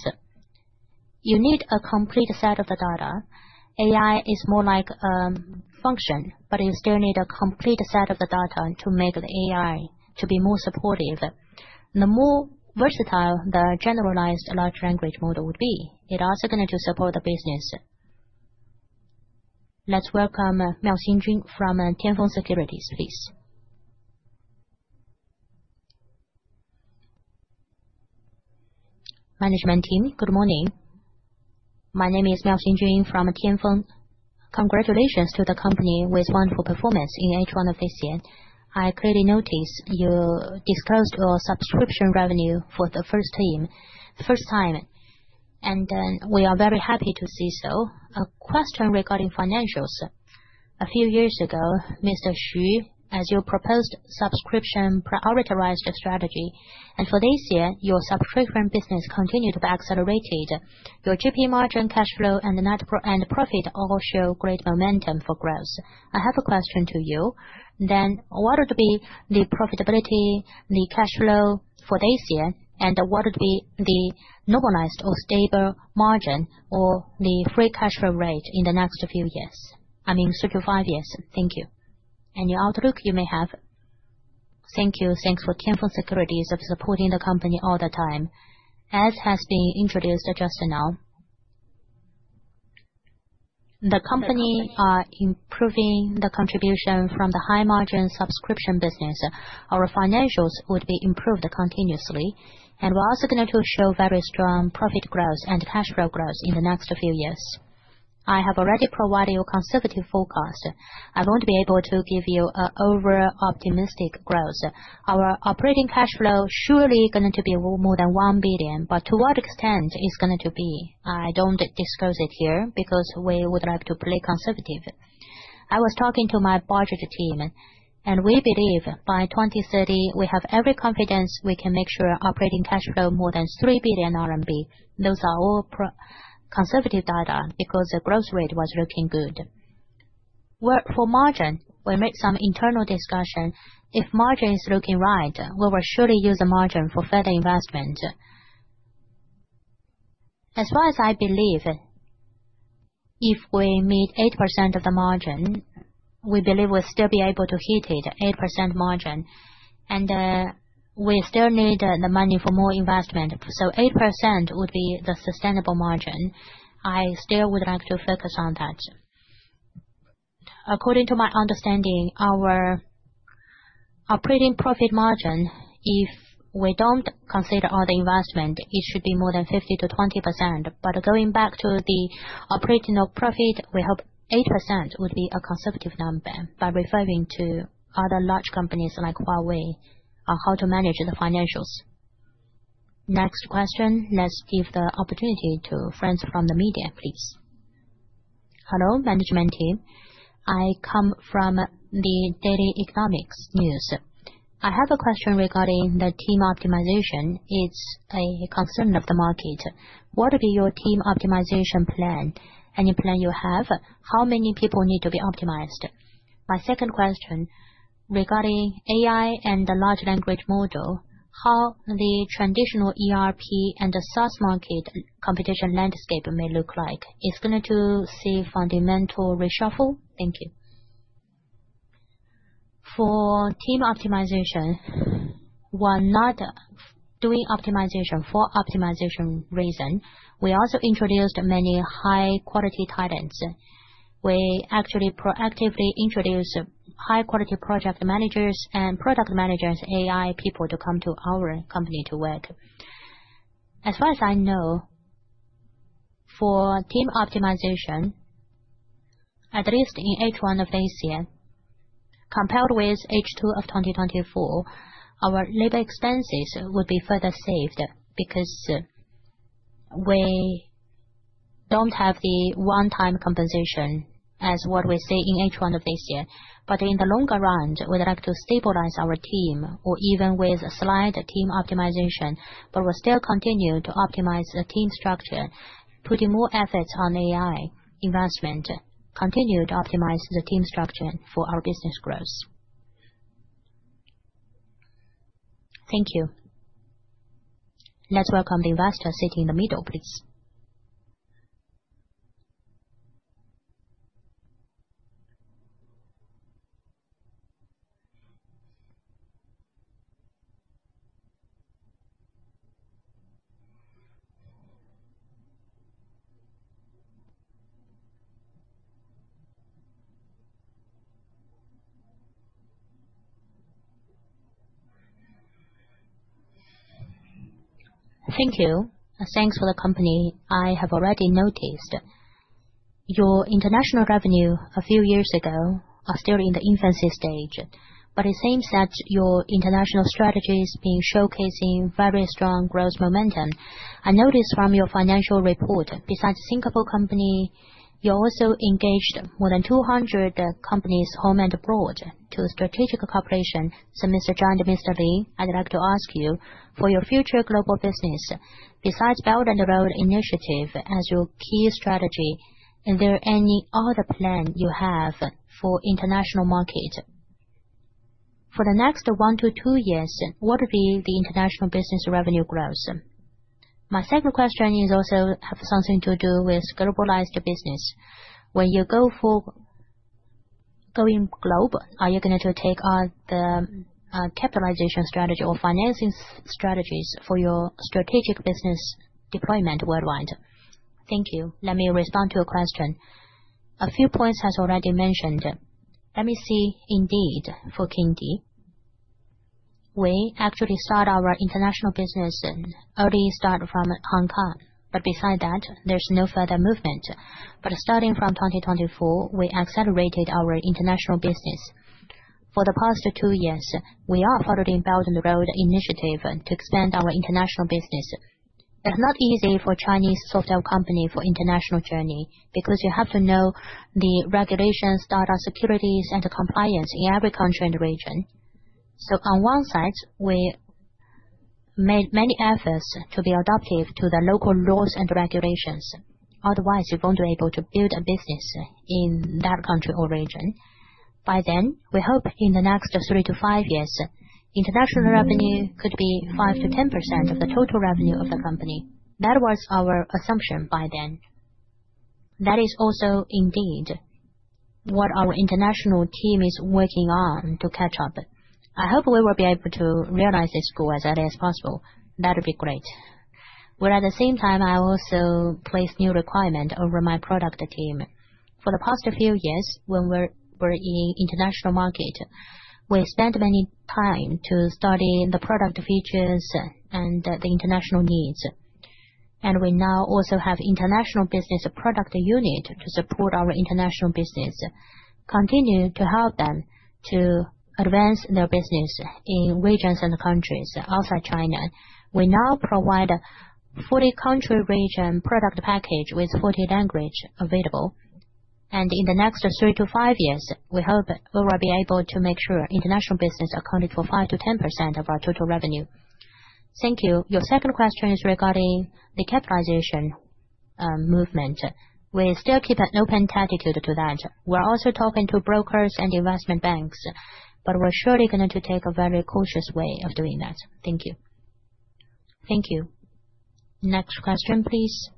You need a complete set of the data. AI is more like a function, but you still need a complete set of the data to make the AI to be more supportive, the more versatile the generalized large language model would be it also going to support the business. Let's welcome [Mao Xinjun] from Tianfeng Securities, please. Management team, good morning. My name is [Mao Xinjun] from Tianfeng. Congratulations to the company with wonderful performance in H1 of this year. I clearly noticed you disclosed your subscription revenue for the first time and then we are very happy to see. A question regarding financials. A few years ago, Mr. Xu, as your proposed subscription prioritized strategy and for this year, your subscription business continued to be accelerated. Your GP margin, cash flow and net profit all show great momentum for growth. I have a question to you then. What would be the profitability the cash flow for this year and what would be the normalized or stable margin or the free cash flow rate in the next few years? I mean three to five years. Thank you. Any outlook you may have? Thank you. Thanks for Tianfeng Securities of supporting the company all the time. As has been introduced just now, the company are improving the contribution from the high margin subscription business. Our financials would be improved continuously and we're also going to show very strong profit growth and cash flow growth in the next few years. I have already provided you conservative forecast. I won't be able to give you over optimistic growth. Our operating cash flow surely going to be more than 1 billion. To what extent is going to be? I don't disclose it here because we would like to play conservative. I was talking to my budget team and we believe by 2030 we have every confidence we can make sure operating cash flow is more than 3 billion RMB. Those are all conservative data. Because the growth rate was looking good for margin, we made some internal discussion. If margin is looking right, we will surely use a margin for further investment. As far as I believe, if we meet 8% of the margin, we believe we'll still be able to hit it, 8% margin, and we still need the money for more investment. 8% would be the sustainable margin. I still would like to focus on that. According to my understanding, our operating profit margin, if we don't consider all the investment, it should be more than 15%-20%. Going back to the operating profit, we hope 8% would be a conservative number. By referring to other large companies like Huawei on how to manage the financials. Next question. Let's give the opportunity to friends from the media, please. Hello management team. I come from the [Daily Economics] News. I have a question regarding the team optimization. It's a concern of the market. What would be your team optimization plan? Any plan you have? How many people need to be optimized? My second question regarding AI and the large language model, how the traditional ERP and the SaaS market competition landscape may look like. Is it going to see fundamental reshuffle? Thank you. for team optimization. While not doing optimization for optimization reason, we also introduced many high quality titans. We actually proactively introduced high quality project managers and product managers, AI people to come to our company to wait. As far as I know, for team optimization, at least in H1 of ACN compared with H2 of 2024, our labor expenses would be further saved because we don't have the one-time compensation as what we see in H1 of this year. In the longer run, we'd like to stabilize our team or even with a slight team optimization. We'll still continue to optimize the team structure, putting more efforts on AI investment, continue to optimize the team structure for our business growth. Thank you. Let's welcome the investor sitting in the middle, please. Thank you. Thanks for the company. I have already noticed your international revenue a few years ago is still in the infancy stage. It seems that your international strategy has been showcasing very strong growth momentum. I noticed from your financial report, besides Singapore company, you also engaged more than 200 companies home and abroad to strategic cooperation. So Mr. Zhang and Mr. Lin, I'd like to ask you for your future global business. Besides Belt and Road initiative as your key strategy, is there any other plan you have for international market for the next one to two years? What would be the international business revenue growth? My second question is also have something to do with globalized business. When you go for going global, are you going to take on the capitalization strategy or financing strategies for your strategic business deployment worldwide? Thank you. Let me respond to a question a few points has already mentioned. Let me see. Indeed for Kingdee, we actually start our international business in early start from Hong Kong. Beside that, there's no further movement. Starting from 2024, we accelerated our international business. For the past two years, we are following Belt and Road initiative to expand our international business. It's not easy for Chinese social company for international journey because you have to know the regulations, data, securities and compliance in every country and region. On one side, we made many efforts to be adaptive to the local laws and regulations. Otherwise you won't be able to build a business in that country or region by then. We hope in the next three to five years, international revenue could be 5%-10% of the total revenue of the company. That was our assumption by then. That is also indeed what our international team is working on to catch up. I hope we will be able to realize this goal as early as possible. That would be great. At the same time I also place new requirement over my product team. For the past few years when we were in international market, we spent many time to study the product features and the international needs. We now also have international business product unit to support our international business, continuing to help them to advance their business in regions and countries outside China. We now provide fully country region product package with 40 languages available. In the next three to five years, we hope we will be able to make sure international business accounted for 5%-10% of our total revenue. Thank you. Your second question is regarding the capitalization movement. We still keep an open attitude to that. We're also talking to brokers and investment banks, but we're surely going to take a very cautious way of doing that. Thank you. Thank you. Next question please.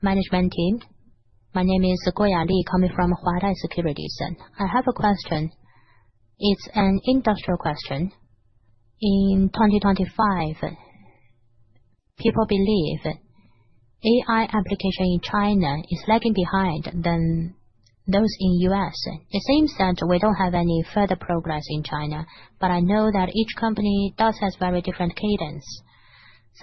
Management team. My name is Guo Ya Li, coming from Huatai Securities. I have a question. It's an industrial question. In 2025, people believe AI application in China is lagging behind those in the U.S. It seems that we don't have any further progress in China, but I know that each company does have very different cadence.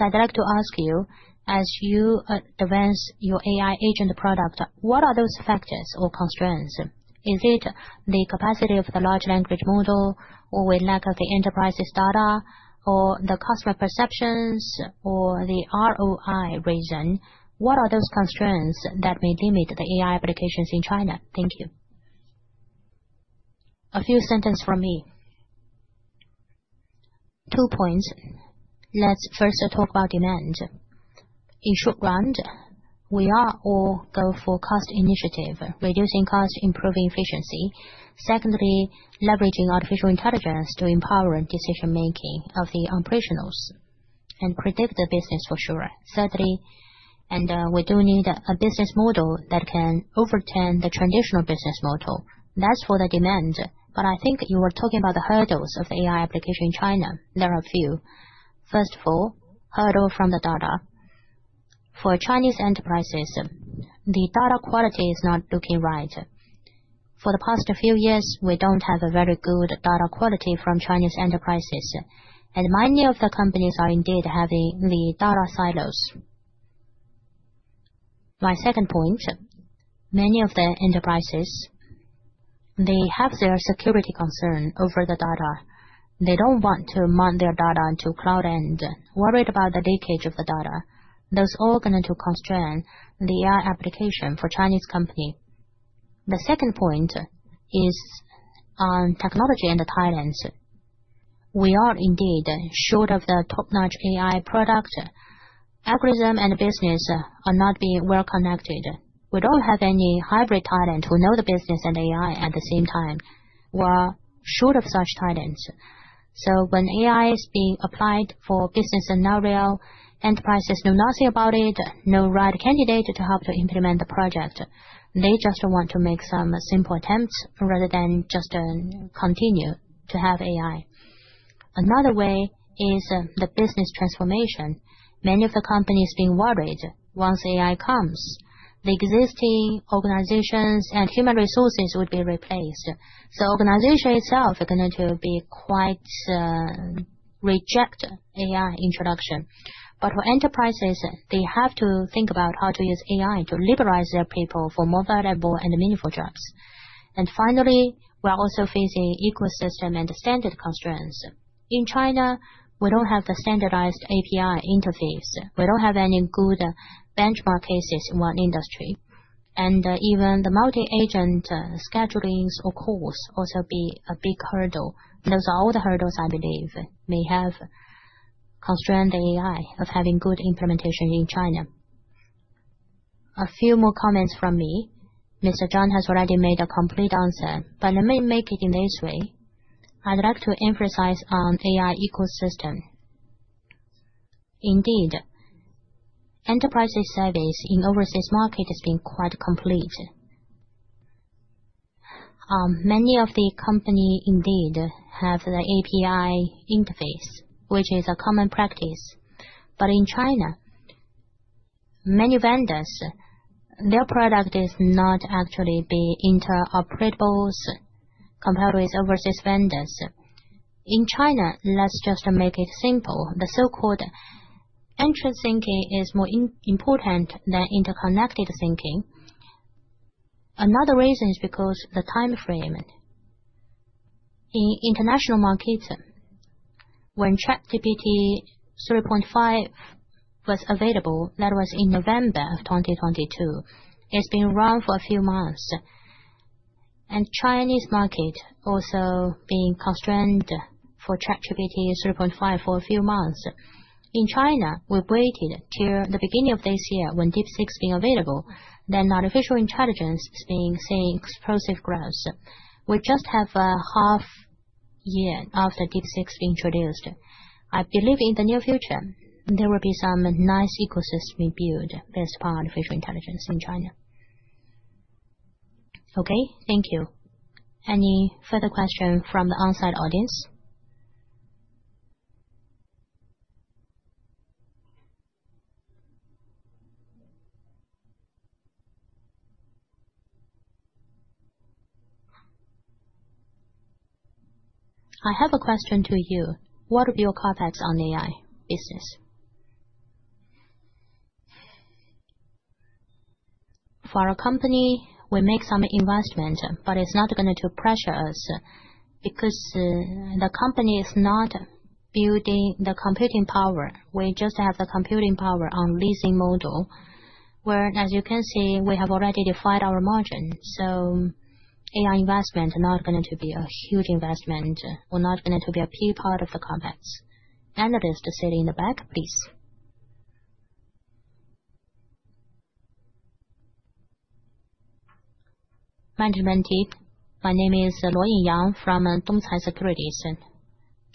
I'd like to ask you, as you advance your AI agent product, what are those factors or constraints? Is it the capacity of the large language model, or do we lack the enterprises' data, or the customer perceptions, or the ROI reason? What are those constraints that may limit the AI applications in China? Thank you. A few sentences from me, two points. Let's first talk about demand. In the short run, we all go for cost initiative, reducing cost, improving efficiency. Secondly, leveraging artificial intelligence to empower decision making of the operationals and predict the business for sure. Thirdly, we do need a business model that can overturn the traditional business model. That's for the demand. I think you were talking about the hurdles of AI application in China. There are a few. First of all, hurdle from the data. For Chinese enterprises, the data quality is not looking right. For the past few years, we don't have a very good data quality from Chinese enterprises, and many of the companies are indeed having the data silos. My second point. Many of the enterprises have their security concern over the data. They don't want to mount their data to cloud and are worried about the leakage of the data. This is all going to constrain the AI application for Chinese companies. The second point is on technology and talents. We are indeed short of the top notch AI product. Algorithm and business are not being well connected. We don't have any hybrid talent who knows the business and AI. At the same time, we are short of such talents. When AI is being applied for business scenario, enterprises know nothing about it. No right candidate to help implement the project. They just want to make some simple attempts rather than just continue to have AI. Another way is the business transformation. Many of the companies are worried once AI comes, the existing organizations and human resources would be replaced. Organization itself is going to quite reject AI introduction. For enterprises, they have to think about how to use AI to liberalize their people for more valuable and meaningful jobs. Finally, we're also facing ecosystem and standard constraints. In China, we don't have the standardized API interface, we don't have any good benchmark cases in one industry, and even the multi-agent schedulings or calls also are a big hurdle. Those are all the hurdles I believe may have constrained AI from having good implementation in China. A few more comments from me. Mr. Zhang has already made a complete answer, but let me make it in this way. I'd like to emphasize on AI ecosystem. Indeed, enterprise service in overseas market has been quite complete. Many of the companies indeed have the API interface, which is a common practice. In China, many vendors, their product is not actually interoperable compared with overseas vendors. In China, let's just make it simple. The so-called entry thinking is more important than interconnected thinking. Another reason is because the time frame. In international market, when ChatGPT 3.5 was available, that was in November of 2022. It's been around for a few months, and Chinese market also being constrained for ChatGPT 3.5 for a few months. In China, we waited till the beginning of this year when DeepSeek became available. Then artificial intelligence has seen explosive growth. We just have a half year after DeepSeek introduced. I believe in the near future there will be some nice ecosystem built as part of artificial intelligence in China. Thank you. Any further question from the onsite audience? I have a question to you. What are your contacts on AI business? For a company, we make some investment, but it's not going to pressure us because the company is not building the computing power. We just have the computing power on leasing model, where as you can see, we have already defined our margin. So AI investment not going to be a huge investment or not. That will be a key part of the complex. Analyst sitting in the back, please. Management team. My name is Luo Yin Yang from Dongxing Securities.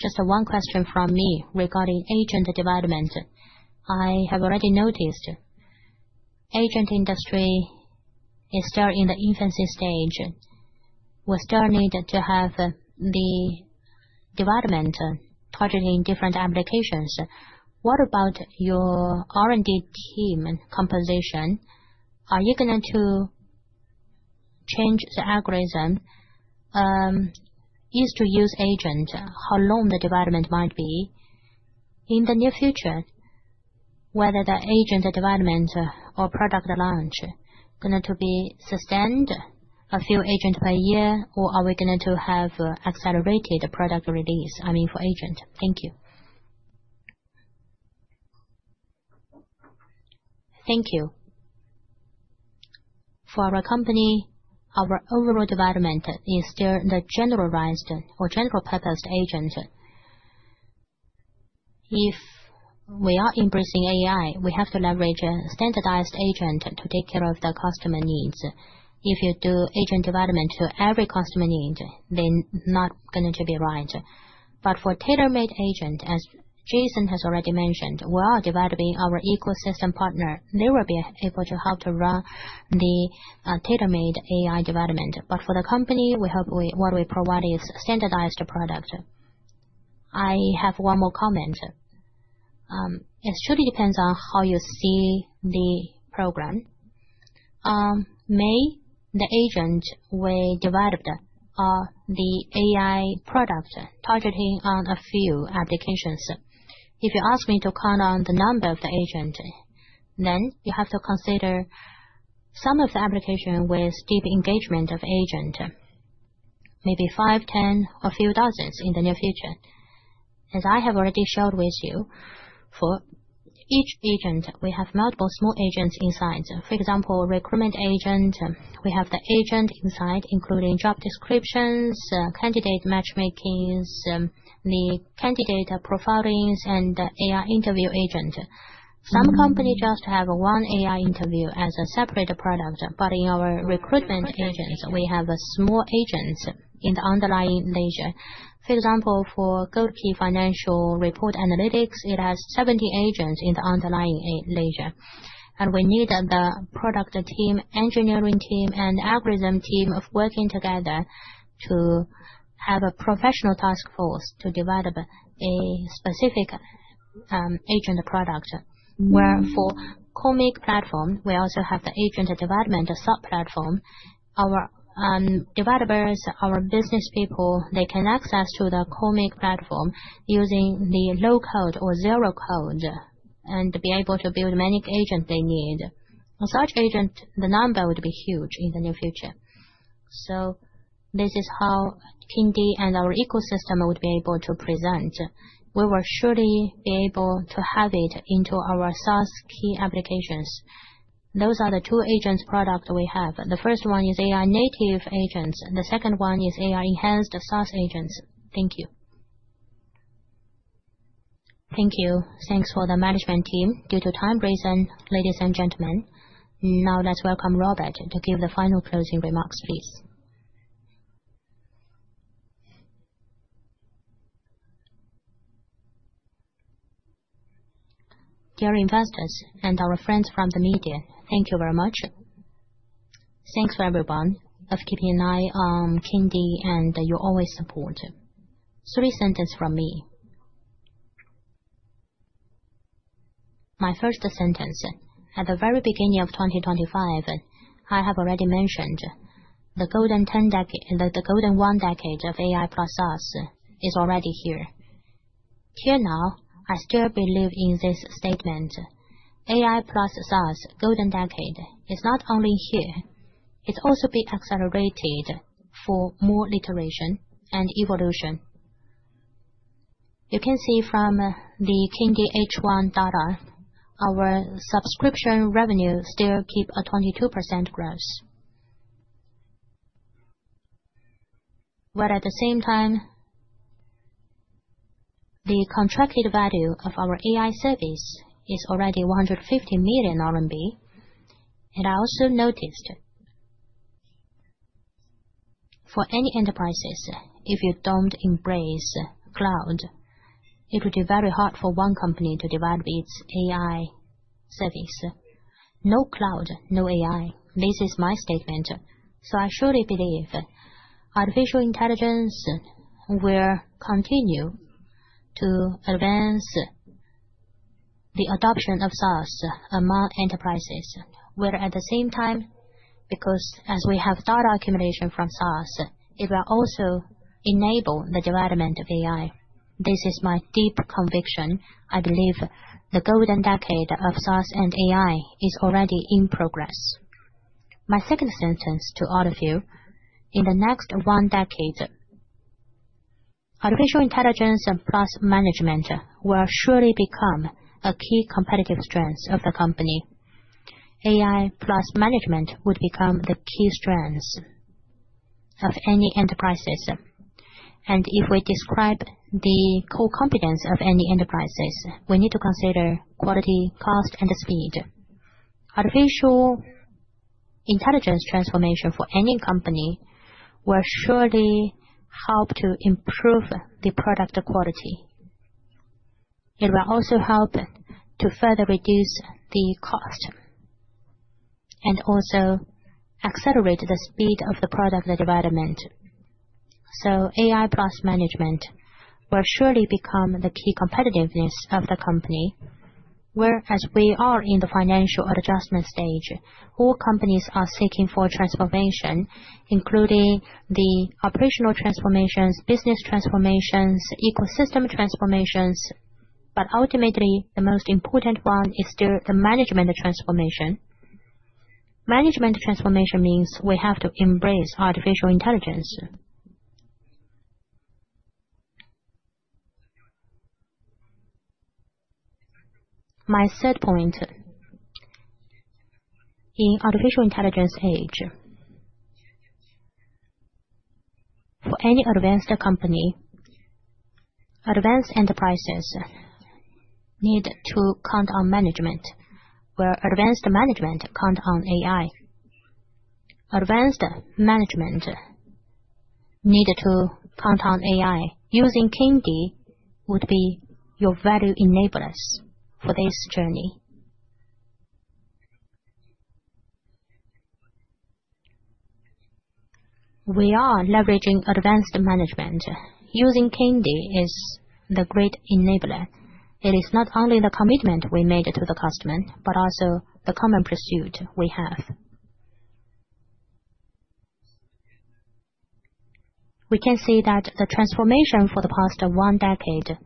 Just one question from me regarding agent development. I have already noticed agent industry is still in the infancy stage. We still need to have the development partnering different applications. What about your R&D team composition? Are you going to change the algorithm ease to use agent? How long the development might be in the near future, whether the agent development or product launch is going to be sustained at a few agents per year or are we going to have accelerated product release? I mean for agent. Thank you. Thank you. For our company, our overall development is still the generalized or generical purpose agent. If we are embracing AI, we have to leverage a standardized agent particular to the customer needs. If you do agent development to every customer need, they're not going to be right. For tailor made agent, as Jason has already mentioned, while developing our ecosystem partner, they will be able to help to run the tailor made AI development. For the company, we hope what we provide is standardized products. I have one more comment. It surely depends on how you see the program. Maybe the agent we developed, the AI products targeting on a few applications, if you ask me to count on the number of the agent, then you have to consider some of the applications with deep engagement of agent, maybe five, 10, a few dozens in the near future. As I have already shared with you, for each agent we have multiple small agents inside. For example, Recruitment Agent, we have the agent inside including job descriptions, candidate matchmaking, the candidate profiling, and AI interview agent. Some company just have one AI interview as a separate product. In our Recruitment Agents, we have small agents in the underlying layer. For example, for Golden Key Financial Report analytics, it has 70 agents in the underlying layer and we need the product team, engineering team, and algorithm team working together to have a professional task force to develop a specific agent product. Where for Cosmic platform, we also have the agent development [SAP] platform. Our developers, our business people, they can access the Cosmic platform using the low code or zero code and be able to build many agents they need. On such agents, the number would be huge in the near future. This is how Kingdee and our ecosystem would be able to present. We will surely be able to have it into our SaaS key applications. Those are the two agent products we have. The first one is AI native agents and the second one is AI enhanced SaaS agents. Thank you. Thank you. Thanks for the management team. Due to time, ladies and gentlemen, now let's welcome Robert to give the final closing remarks, please. Dear investors and our friends from the media, thank you very much. Thanks everyone for keeping an eye on Kingdee and your always support. Three sentences from me. My first sentence, at the very beginning of 2025 I have already mentioned the golden one decade of AI plus SaaS is already here. Till now, I still believe in this statement. AI plus SaaS's golden decade is not only here, it also will be accelerated for more iteration and evolution. You can see from the Kingdee H1 data, our subscription revenue still keeps a 22% growth. At the same time, the contracted value of our AI service is already 150 million RMB. I also noticed for any enterprises, if you don't embrace cloud, it would be very hard for one company to develop its AI service. No cloud, no AI. This is my statement. I surely believe artificial intelligence will continue to advance the adoption of SaaS among enterprises. At the same time, because as we have data accumulation from SaaS, it will also enable the development of AI. This is my deep conviction. I believe the golden decade of SaaS and AI is already in progress. My second sentence to all of you. In the next one decade, artificial intelligence and plus management will surely become a key competitive strength of the company. AI plus management would become the key strengths of any enterprises. If we describe the core competence of any enterprises, we need to consider quality, cost, and speed. Artificial intelligence transformation for any company will surely help to improve the product quality. It will also help to further reduce the cost and also accelerate the speed of the product development. AI plus management will surely become the key competitiveness of the company. Whereas we are in the financial adjustment stage, all companies are seeking for transformation including the operational transformations, business transformations, ecosystem transformations. Ultimately the most important one is still the management transformation. Management transformation means we have to embrace artificial intelligence. My third point, in artificial intelligence age, any advanced company, advanced enterprises need to count on management. Advanced management counts on AI. Advanced management need to count on AI. Using Kingdee would be your value enablers for this journey. We are leveraging advanced management. Using Kingdee is the great enabler. It is not only the commitment we made to the customer, but also the common pursuit we have. We can see that the transformation for the past one decade,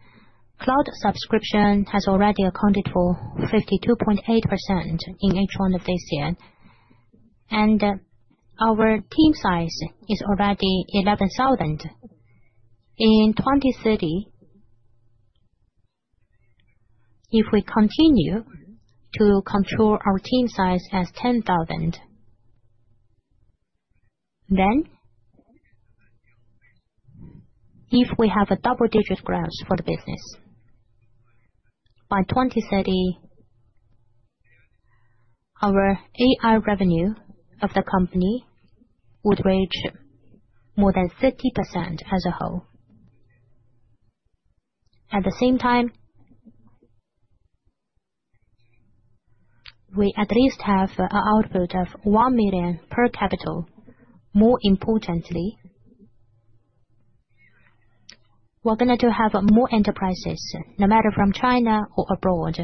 cloud subscription has already accounted for 52.8% in April this year. Our team size is already 11,000. In 2030, if we continue to control our team size as 10,000, then if we have a double digit growth for the business, by 2030, our AI revenue of the company would range more than 30% as a whole. At the same time, we at least have an output of 1 million per capital. More importantly, we're going to have more enterprises no matter from China or abroad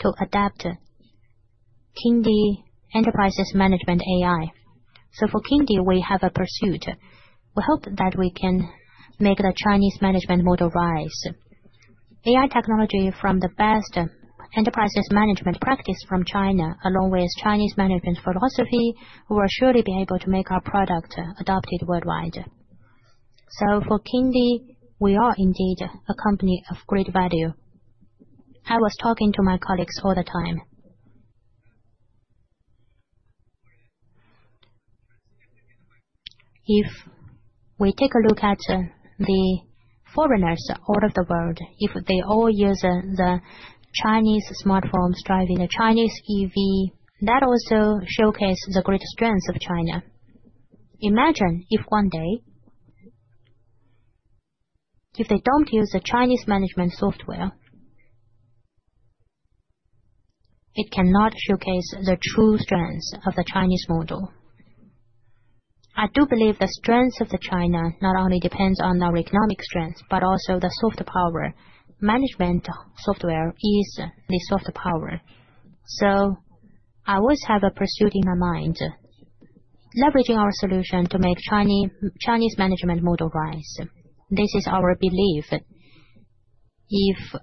to adapt Kingdee enterprise management AI. For Kingdee, we have a pursuit. We hope that we can make the Chinese management model rise. AI technology from the best enterprise management practice from China along with Chinese management philosophy will surely be able to make our product adopted worldwide. For Kingdee, we are indeed a company of great value. I was talking to my colleagues all the time. If we take a look at the foreigners all over the world, if they all use the Chinese smartphones, driving a Chinese EV, that also showcases the great strength of China. Imagine if one day they don't use the Chinese management software, it cannot showcase the true strength of the Chinese model. I do believe the strength of China not only depends on our economic strength but also the soft power. Management software is the soft power. I always have a pursuit in my mind leveraging our solution to make Chinese management model wise. This is our belief. If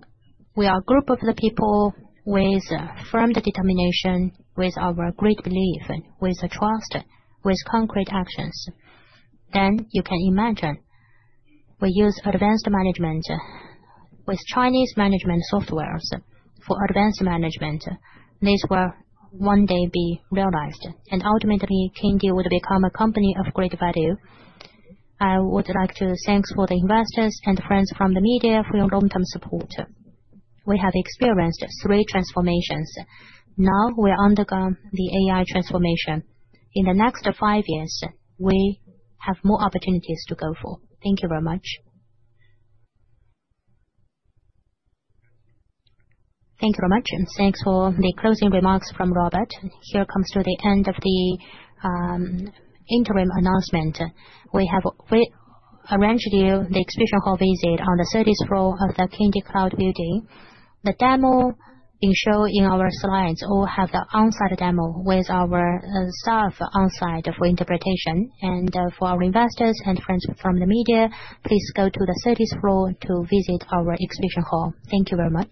we are a group of people with firm determination, with our great belief, with trust, with concrete actions, then you can imagine we use advanced management with Chinese management software for advanced management. This will one day be realized and ultimately Kingdee would become a company of great value. I would like to thank all the investors and friends from the media for your long term support. We have experienced three transformations. Now we have undergone the AI transformation. In the next five years, we have more opportunities to go for. Thank you very much. Thank you very much and thanks for the closing remarks from Robert. Here comes to the end of the interim announcement. We have arranged you the exhibition hall visit on the 30th floor of the Kingdee Cloud Building. The demo shown in our slides all have the on site demo with our staff on site for interpretation. For our investors and friends from the media, please go to the 30th floor to visit our exhibition hall. Thank you very much.